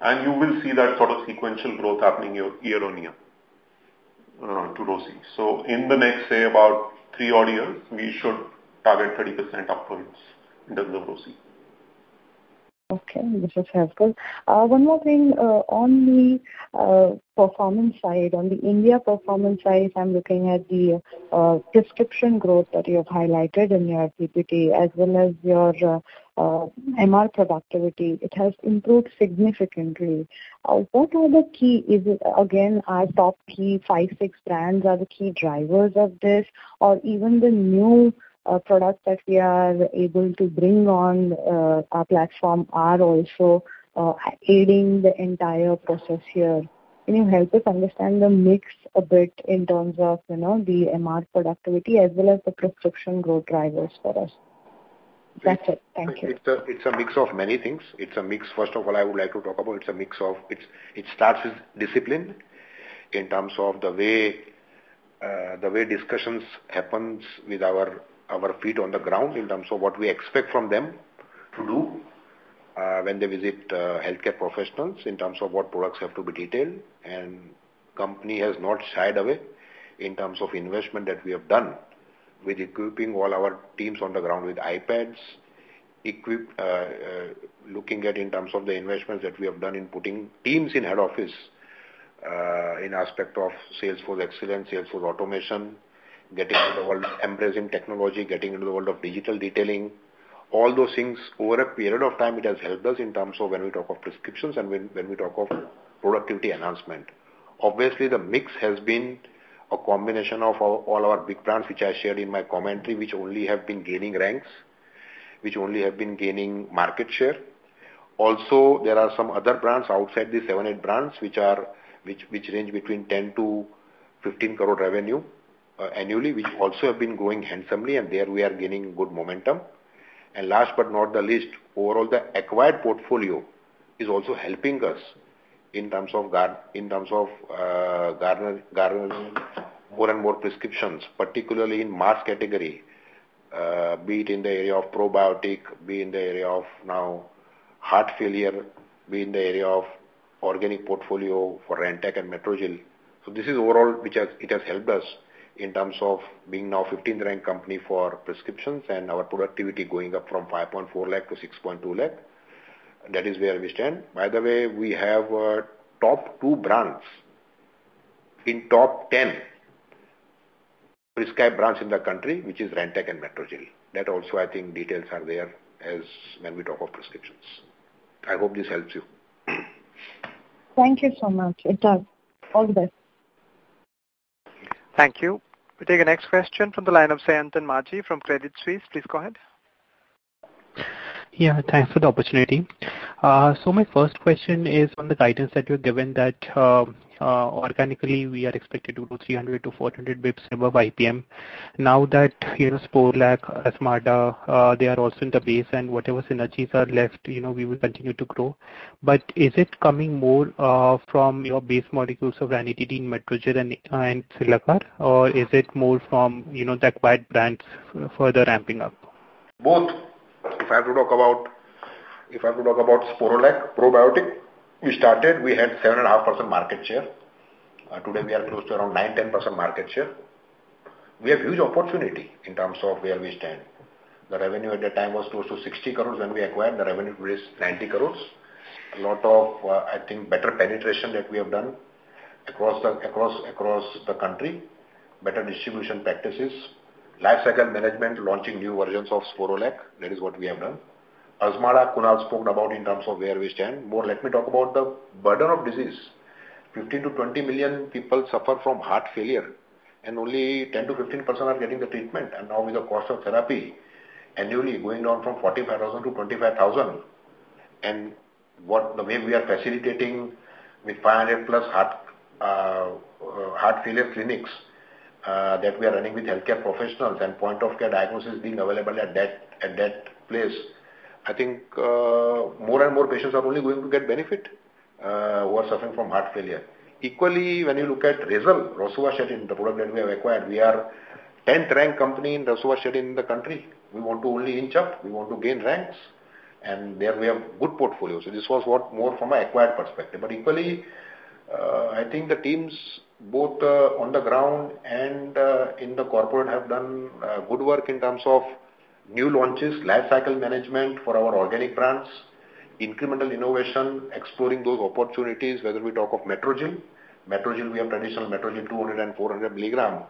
and you will see that sort of sequential growth happening year on year to ROCE. In the next, say, about 3 odd years, we should target 30% upwards in terms of ROCE. Okay, this is helpful. One more thing, on the performance side, on the India performance side, I'm looking at the prescription growth that you have highlighted in your PPT, as well as your MR productivity. It has improved significantly. What are the key? Is it, again, our top 3, 5, 6 brands are the key drivers of this, or even the new products that we are able to bring on our platform are also aiding the entire process here. Can you help us understand the mix a bit in terms of, you know, the MR productivity as well as the prescription growth drivers for us? That's it. Thank you. It's a mix of many things. First of all, I would like to talk about, it starts with discipline in terms of the way… The way discussions happens with our feet on the ground, in terms of what we expect from them to do, when they visit healthcare professionals, in terms of what products have to be detailed. Company has not shied away in terms of investment that we have done with equipping all our teams on the ground with iPads, equip, looking at in terms of the investments that we have done in putting teams in head office, in aspect of sales force excellence, sales force automation, getting into the world, embracing technology, getting into the world of digital detailing. All those things, over a period of time, it has helped us in terms of when we talk of prescriptions and when we talk of productivity enhancement. Obviously, the mix has been a combination of all our big brands, which I shared in my commentary, which only have been gaining ranks, which only have been gaining market share. Also, there are some other brands outside the seven, eight brands, which range between 10 crore-15 crore revenue annually, which also have been growing handsomely, and there we are gaining good momentum. Last but not the least, overall, the acquired portfolio is also helping us in terms of garnering more and more prescriptions, particularly in mass category, be it in the area of probiotic, be it in the area of now heart failure, be it in the area of organic portfolio for Rantac and Metrogyl. This is overall, which has, it has helped us in terms of being now 15th ranked company for prescriptions and our productivity going up from 5.4 lakh to 6.2 lakh. That is where we stand. By the way, we have top two brands in top 10 prescribed brands in the country, which is Rantac and Metrogyl. That also, I think details are there as when we talk of prescriptions. I hope this helps you. Thank you so much. It does. All the best. Thank you. We take the next question from the line of Sayantan Maji from Credit Suisse. Please go ahead. Thanks for the opportunity. My first question is on the guidance that you've given that organically, we are expected to do 300-400 basis points above IPM. Now that, you know, Sporlac, Azmarda, they are also in the base, and whatever synergies are left, you know, we will continue to grow. Is it coming more from your base molecules of ranitidine, Metrogyl, and Cilacar, or is it more from, you know, the acquired brands further ramping up? Both. If I have to talk about Sporlac probiotic, we started, we had 7.5% market share. Today, we are close to around 9%-10% market share. We have huge opportunity in terms of where we stand. The revenue at that time was close to 60 crores when we acquired, the revenue raised 90 crores. A lot of, I think, better penetration that we have done across the country, better distribution practices, lifecycle management, launching new versions of Sporlac. That is what we have done. Azmarda, Kunal spoke about in terms of where we stand. More, let me talk about the burden of disease. 15-20 million people suffer from heart failure. Only 10%-15% are getting the treatment. Now with the cost of therapy annually going down from 45,000-25,000, the way we are facilitating with 500+ heart failure clinics that we are running with healthcare professionals and point-of-care diagnosis being available at that place, I think more and more patients are only going to get benefit who are suffering from heart failure. Equally, when you look at Razel, rosuvastatin, the product that we have acquired, we are 10th-ranked company in rosuvastatin in the country. We want to only inch up, we want to gain ranks. There we have good portfolio. This was what more from an acquired perspective. Equally, I think the teams, both on the ground and in the corporate, have done good work in terms of new launches, lifecycle management for our organic brands, incremental innovation, exploring those opportunities, whether we talk of Metrogyl. Metrogyl, we have traditional Metrogyl, 200 and 400 milligram,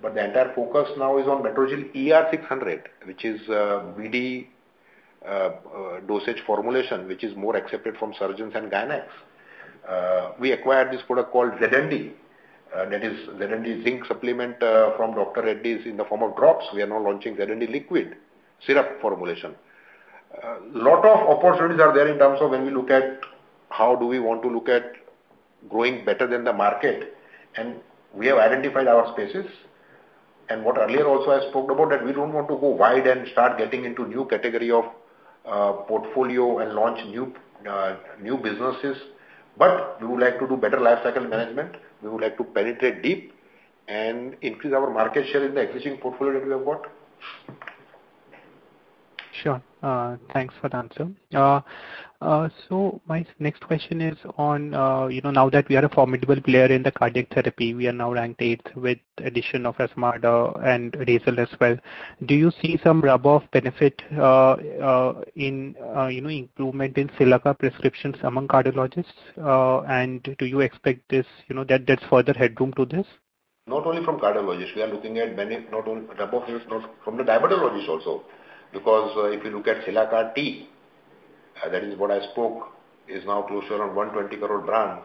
but the entire focus now is on Metrogyl ER 600, which is BD dosage formulation, which is more accepted from surgeons and gynaec. We acquired this product called Z&D, and that is Z&D zinc supplement, from Dr. Reddy's in the form of drops. We are now launching Z&D Liquid syrup formulation. Lot of opportunities are there in terms of when we look at how do we want to look at growing better than the market, and we have identified our spaces. What earlier also I spoke about, that we don't want to go wide and start getting into new category of, portfolio and launch new businesses, but we would like to do better lifecycle management. We would like to penetrate deep and increase our market share in the existing portfolio that we have got. Sure. Thanks for the answer. My next question is on, you know, now that we are a formidable player in the cardiac therapy, we are now ranked eighth with addition of Azmarda and Razel as well. Do you see some rub off benefit, in, you know, improvement in Cilacar prescriptions among cardiologists? Do you expect this, you know, that there's further headroom to this? Not only from cardiologists, we are looking at many, not only rub off benefit, from the diabetologist also. If you look at Cilacar-T, that is what I spoke, is now closer on 120 crore brand.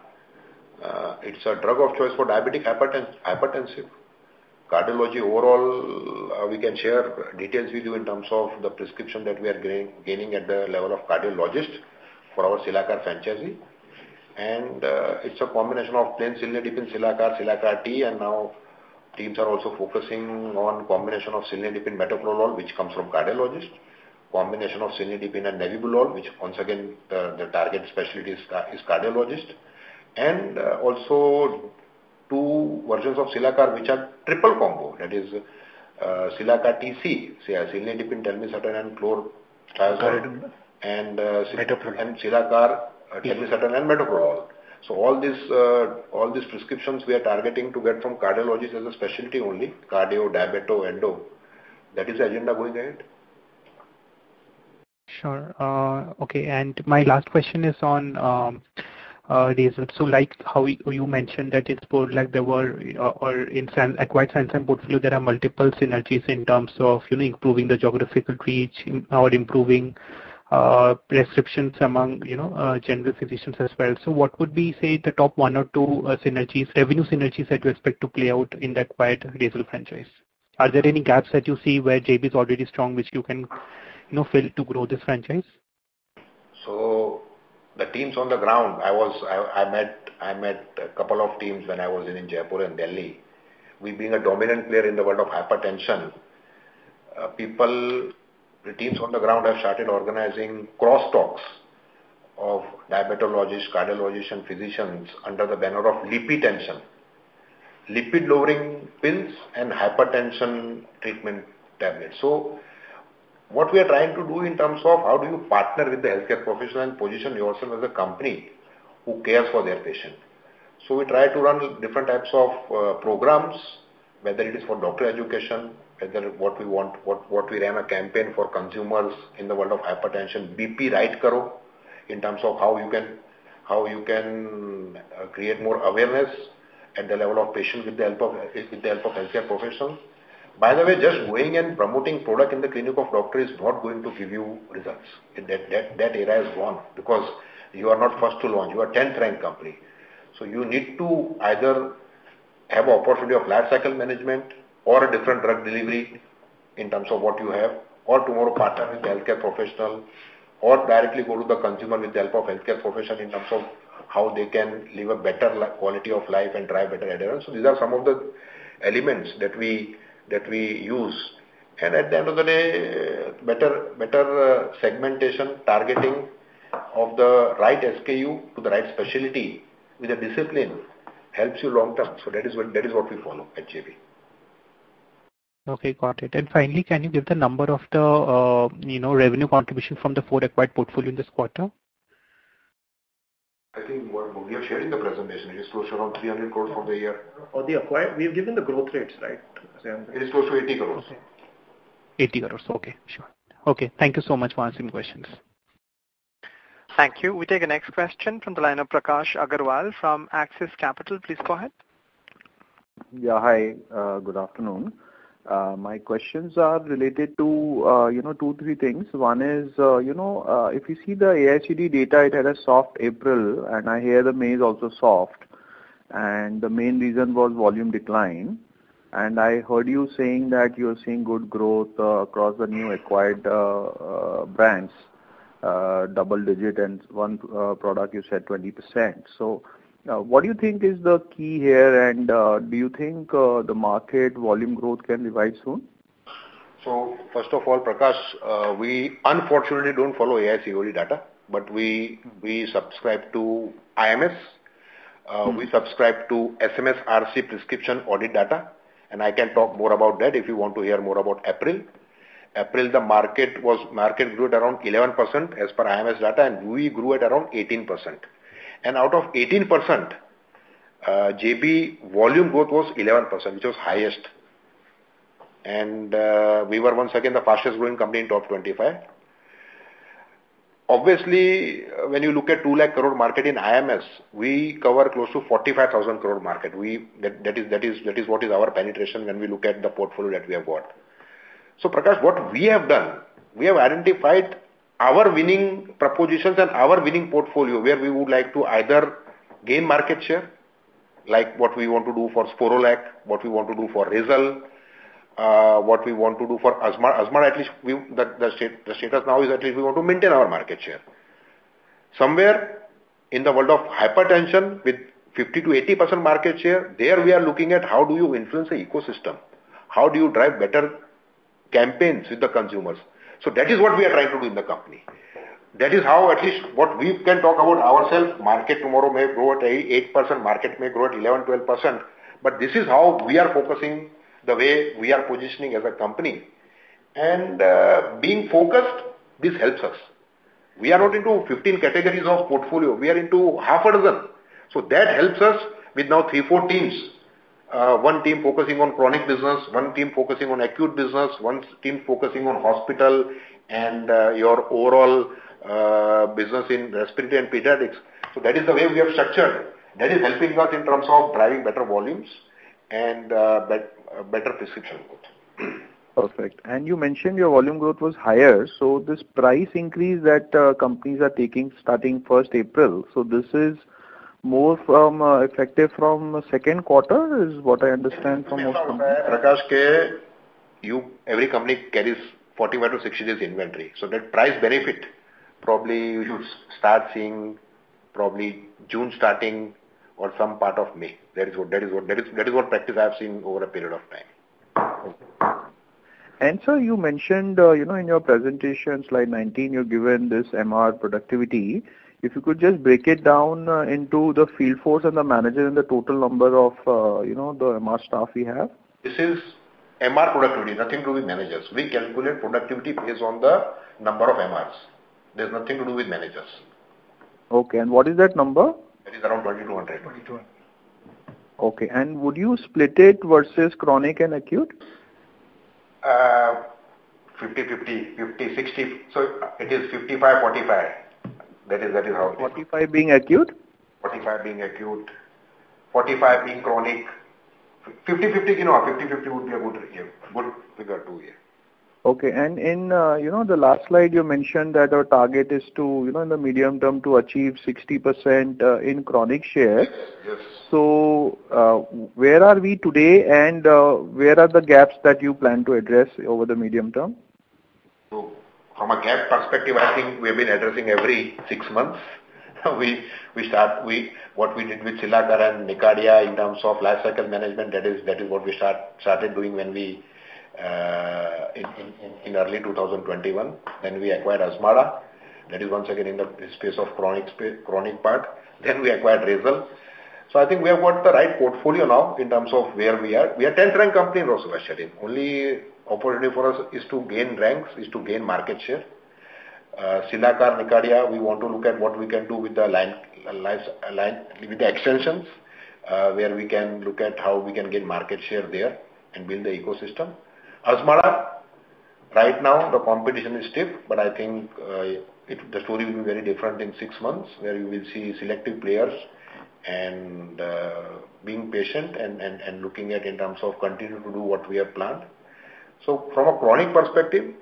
It's a drug of choice for diabetic hypertensive. Cardiology, overall, we can share details with you in terms of the prescription that we are gaining at the level of cardiologists for our Cilacar franchise. It's a combination of plain Cilnidipine, Cilacar-T, and now teams are also focusing on combination of Cilnidipine metoprolol, which comes from cardiologist. Combination of Cilnidipine and nebivolol, which once again, the target specialty is cardiologist. Also two versions of Cilacar, which are triple combo, that is, Cilacar TC, Cilnidipine, telmisartan, and chlorothiazide. Metoprolol. Cilacar, telmisartan, and metoprolol. All these prescriptions we are targeting to get from cardiologists as a specialty only, cardio, diabeto, endo. That is the agenda going ahead? Okay, and my last question is on results. Like how you mentioned that it's more like there were or in acquired science and portfolio, there are multiple synergies in terms of, you know, improving the geographical reach or improving prescriptions among, you know, general physicians as well. What would be, say, the top one or two synergies, revenue synergies that you expect to play out in the acquired Razel franchise? Are there any gaps that you see where JB is already strong, which you can, you know, fill to grow this franchise? The teams on the ground, I met a couple of teams when I was in Jaipur and Delhi. We've been a dominant player in the world of hypertension. People, the teams on the ground have started organizing cross talks of diabetologist, cardiologists, and physicians under the banner of lipitension, lipid-lowering pills and hypertension treatment tablets. What we are trying to do in terms of how do you partner with the healthcare professional and position yourself as a company who cares for their patient. We try to run different types of programs, whether it is for doctor education, whether what we ran a campaign for consumers in the world of hypertension, BP Right Karo, in terms of how you can create more awareness at the level of patients with the help of healthcare professionals. By the way, just going and promoting product in the clinic of doctor is not going to give you results. That era is gone because you are not first to launch, you are 10th ranked company. You need to either have a portfolio of lifecycle management or a different drug delivery in terms of what you have, or to more partner with the healthcare professional, or directly go to the consumer with the help of healthcare profession in terms of how they can live a better quality of life and drive better adherence. These are some of the elements that we use, and at the end of the day, better segmentation, targeting of the right SKU to the right specialty with a discipline helps you long term. That is what we follow at JB. Okay, got it. Finally, can you give the number of the, you know, revenue contribution from the 4 acquired portfolio in this quarter? I think what we are sharing the presentation, it is close to around 300 crores for the year. For the acquired, we have given the growth rates, right? It is close to 80 crores. 80 crores, okay, sure. Okay, thank you so much for answering the questions. Thank you. We take the next question from the line of Prakash Agarwal from Axis Capital. Please go ahead. Yeah, hi, good afternoon. My questions are related to, you know, two, three things. One is, you know, if you see the AIOCD data, it had a soft April, and I hear the May is also soft, and the main reason was volume decline. I heard you saying that you are seeing good growth across the new acquired brands, double digit and one product, you said 20%. What do you think is the key here, and do you think the market volume growth can revive soon? First of all, Prakash, we unfortunately don't follow AIOCD data, but we subscribe to IMS. We subscribe to SMSRC prescription audit data, and I can talk more about that if you want to hear more about April. April, the market grew at around 11% as per IMS data, and we grew at around 18%. Out of 18%, JB volume growth was 11%, which was highest. We were once again the fastest growing company in top 25. Obviously, when you look at 2 lakh crore market in IMS, we cover close to 45,000 crore market. That is what is our penetration when we look at the portfolio that we have bought. Prakash, what we have done, we have identified our winning propositions and our winning portfolio, where we would like to either gain market share, like what we want to do for Sporlac, what we want to do for Razel, what we want to do for Azmarda. Azmarda, at least, we, the status now is at least we want to maintain our market share. Somewhere in the world of hypertension, with 50%-80% market share, there we are looking at how do you influence the ecosystem? How do you drive better campaigns with the consumers? That is what we are trying to do in the company. That is how at least what we can talk about ourselves. Market tomorrow may grow at 8%, market may grow at 11%, 12%, but this is how we are focusing, the way we are positioning as a company. Being focused, this helps us. We are not into 15 categories of portfolio. We are into half a dozen. That helps us with now 3, 4 teams. One team focusing on chronic business, one team focusing on acute business, one team focusing on hospital, and your overall business in respiratory and pediatrics. That is the way we have structured. That is helping us in terms of driving better volumes and better prescription growth. Perfect. You mentioned your volume growth was higher, so this price increase that companies are taking starting 1st April, so this is more from effective from second quarter, is what I understand from? Prakash, every company carries 45 to 60 days inventory, so that price benefit probably you should start seeing probably June starting or some part of May. That is what practice I have seen over a period of time. Sir, you mentioned, you know, in your presentation, slide 19, you've given this MR productivity. If you could just break it down into the field force and the manager and the total number of, you know, the MR staff we have. This is MR productivity, nothing to do with managers. We calculate productivity based on the number of MRs. There's nothing to do with managers. Okay, and what is that number? It is around 2,200. 2,200. Okay. Would you split it versus chronic and acute? Uh, fifty/fifty, fifty, sixty. So it is fifty-five, forty-five. That is, that is how- 45 being acute? 45 being acute, 45 being chronic. 50/50, you know, 50/50 would be a good, yeah, good figure to hear. Okay. In, you know, the last slide, you mentioned that our target is to, you know, in the medium term, to achieve 60% in chronic share. Yes. Where are we today, and, where are the gaps that you plan to address over the medium term? From a gap perspective, I think we have been addressing every 6 months. We start with what we did with Cilacar and Nicardia in terms of life cycle management. That is, that is what we started doing when we in early 2021, when we acquired Azmarda. That is once again in the space of chronic part, then we acquired Razel. I think we have got the right portfolio now in terms of where we are. We are 10th rank company in rosuvastatin. Only opportunity for us is to gain ranks, is to gain market share. Cilacar, Nicardia, we want to look at what we can do with the line with the extensions, where we can look at how we can gain market share there and build the ecosystem. Alka, right now, the competition is stiff, but I think the story will be very different in six months, where you will see selective players and being patient and looking at in terms of continue to do what we have planned. From a chronic perspective,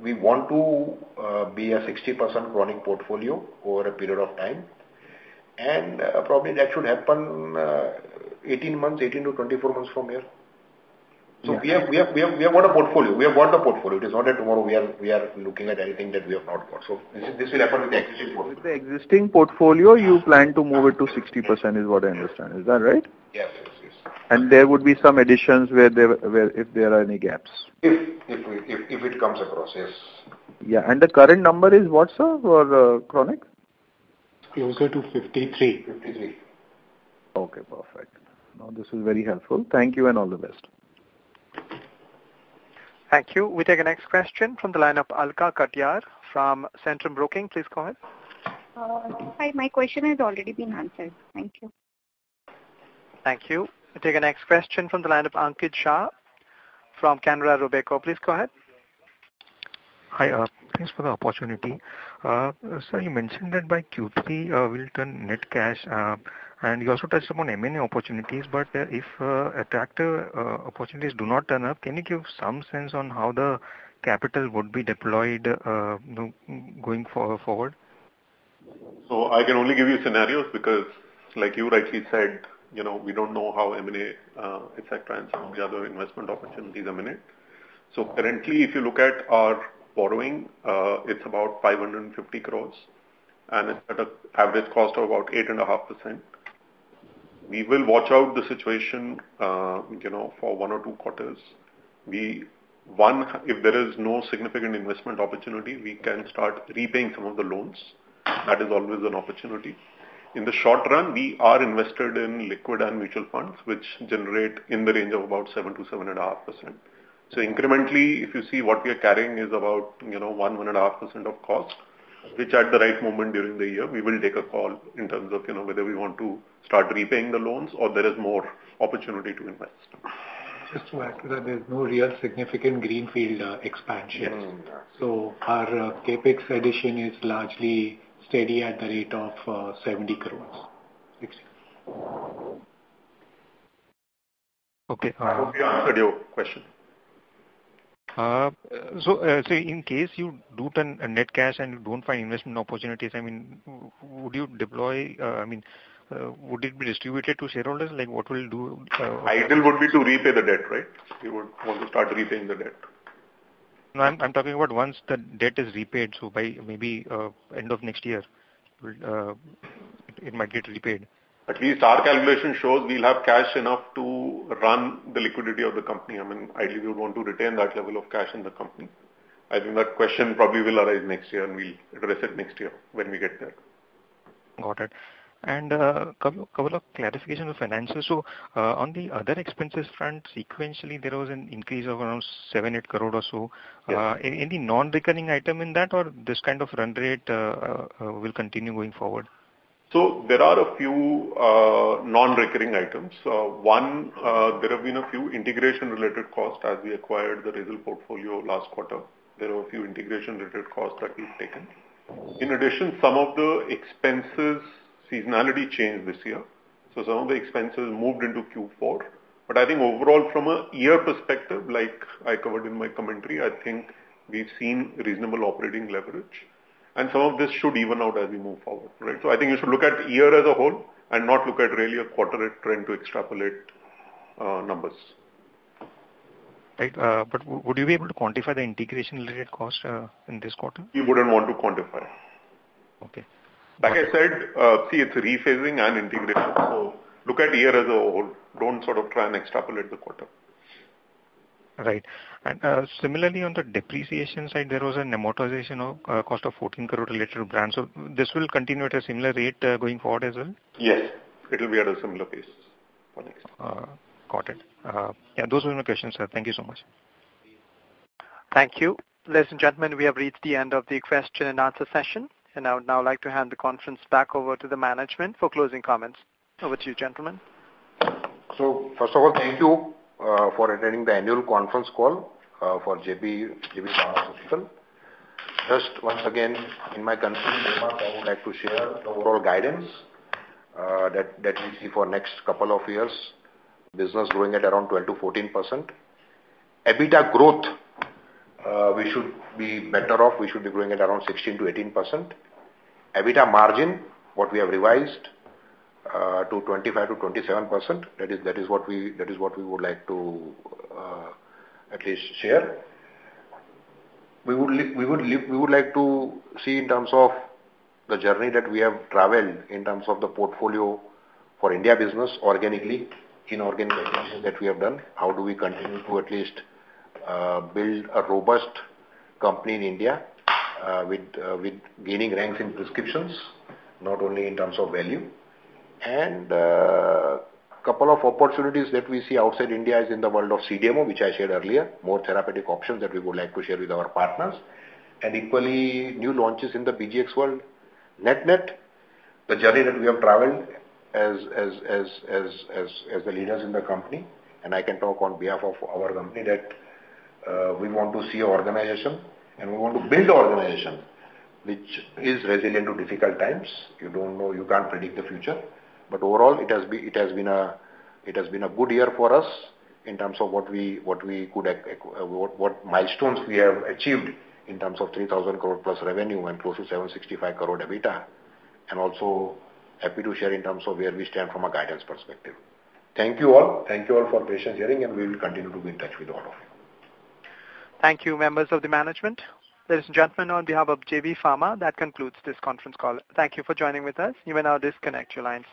we want to be a 60% chronic portfolio over a period of time, and probably that should happen 18-24 months from here. Yeah. We have got a portfolio. We have got a portfolio. It is not that tomorrow we are looking at anything that we have not got. This will happen with the existing portfolio. With the existing portfolio, you plan to move it to 60% is what I understand. Is that right? Yes, yes. there would be some additions where if there are any gaps. If we, if it comes across, yes. Yeah. The current number is what, sir, for chronic? Closer to 53. Okay, perfect. This is very helpful. Thank you and all the best. Thank you. We take the next question from the line of Alka Katiyar from Centrum Broking. Please go ahead. Hi, my question has already been answered. Thank you. Thank you. We take the next question from the line of Ankit Shah from Canara Robeco. Please go ahead. Hi, thanks for the opportunity. Sir, you mentioned that by Q3, we'll turn net cash, and you also touched upon M&A opportunities, but if attractive opportunities do not turn up, can you give some sense on how the capital would be deployed, you know, going forward? I can only give you scenarios, because like you rightly said, you know, we don't know how M&A, et cetera, and some of the other investment opportunities are minute. Currently, if you look at our borrowing, it's about 550 crores, and it's at an average cost of about 8.5%. We will watch out the situation, you know, for 1 or 2 quarters. If there is no significant investment opportunity, we can start repaying some of the loans. That is always an opportunity. In the short run, we are invested in liquid and mutual funds, which generate in the range of about 7%-7.5%. Incrementally, if you see what we are carrying is about, you know, 1.5% of cost, which at the right moment during the year, we will take a call in terms of, you know, whether we want to start repaying the loans or there is more opportunity to invest. Just to add to that, there's no real significant greenfield expansion. Yeah. Our CapEx addition is largely steady at the rate of 70 crores. Okay. I hope we answered your question. Sir, in case you do turn a net cash and you don't find investment opportunities, I mean, would you deploy, I mean, would it be distributed to shareholders? Like, what will do? Ideal would be to repay the debt, right? You would want to start repaying the debt. I'm talking about once the debt is repaid, by maybe, end of next year, it might get repaid. At least our calculation shows we'll have cash enough to run the liquidity of the company. I mean, ideally, we would want to retain that level of cash in the company. I think that question probably will arise next year, and we'll address it next year when we get there. Got it. A couple of clarifications on finances. On the other expenses front, sequentially, there was an increase of around 7-8 crore or so. Yes. Any non-recurring item in that, or this kind of run rate, will continue going forward? there are a few non-recurring items. One, there have been a few integration-related costs as we acquired the Razel portfolio last quarter. There were a few integration-related costs that we've taken. In addition, some of the expenses, seasonality changed this year, so some of the expenses moved into Q4. I think overall, from a year perspective, like I covered in my commentary, I think we've seen reasonable operating leverage, and some of this should even out as we move forward, right? I think you should look at the year as a whole and not look at really a quarter rate trying to extrapolate numbers. Right. Would you be able to quantify the integration-related cost in this quarter? We wouldn't want to quantify.... Okay. Like I said, see, it's rephasing and integration. Look at year as a whole. Don't sort of try and extrapolate the quarter. Right. Similarly, on the depreciation side, there was an amortization of cost of 14 crore related to brands. This will continue at a similar rate going forward as well? Yes, it will be at a similar pace for next. Got it. Yeah, those were my questions, sir. Thank you so much. Thank you. Ladies and gentlemen, we have reached the end of the question and answer session. I would now like to hand the conference back over to the management for closing comments. Over to you, gentlemen. First of all, thank you for attending the annual conference call for JB Pharma. Just once again, in my concluding remarks, I would like to share the overall guidance that we see for next couple of years. Business growing at around 12%-14%. EBITDA growth, we should be growing at around 16%-18%. EBITDA margin, what we have revised to 25%-27%. That is what we would like to at least share. We would like to see in terms of the journey that we have traveled, in terms of the portfolio for India business, organically, inorganic expansion that we have done, how do we continue to at least build a robust company in India, with gaining ranks in prescriptions, not only in terms of value. Couple of opportunities that we see outside India is in the world of CDMO, which I shared earlier, more therapeutic options that we would like to share with our partners, and equally, new launches in the BGX world. Net-net, the journey that we have traveled as the leaders in the company, and I can talk on behalf of our company, that we want to see our organization and we want to build the organization, which is resilient to difficult times. You don't know, you can't predict the future, but overall, it has been a good year for us in terms of what we, what milestones we have achieved in terms of 3,000 crore plus revenue and close to 765 crore EBITDA. Also, happy to share in terms of where we stand from a guidance perspective. Thank you, all. Thank you all for patient hearing, and we will continue to be in touch with all of you. Thank you, members of the management. Ladies and gentlemen, on behalf of JB Pharma, that concludes this conference call. Thank you for joining with us. You may now disconnect your lines.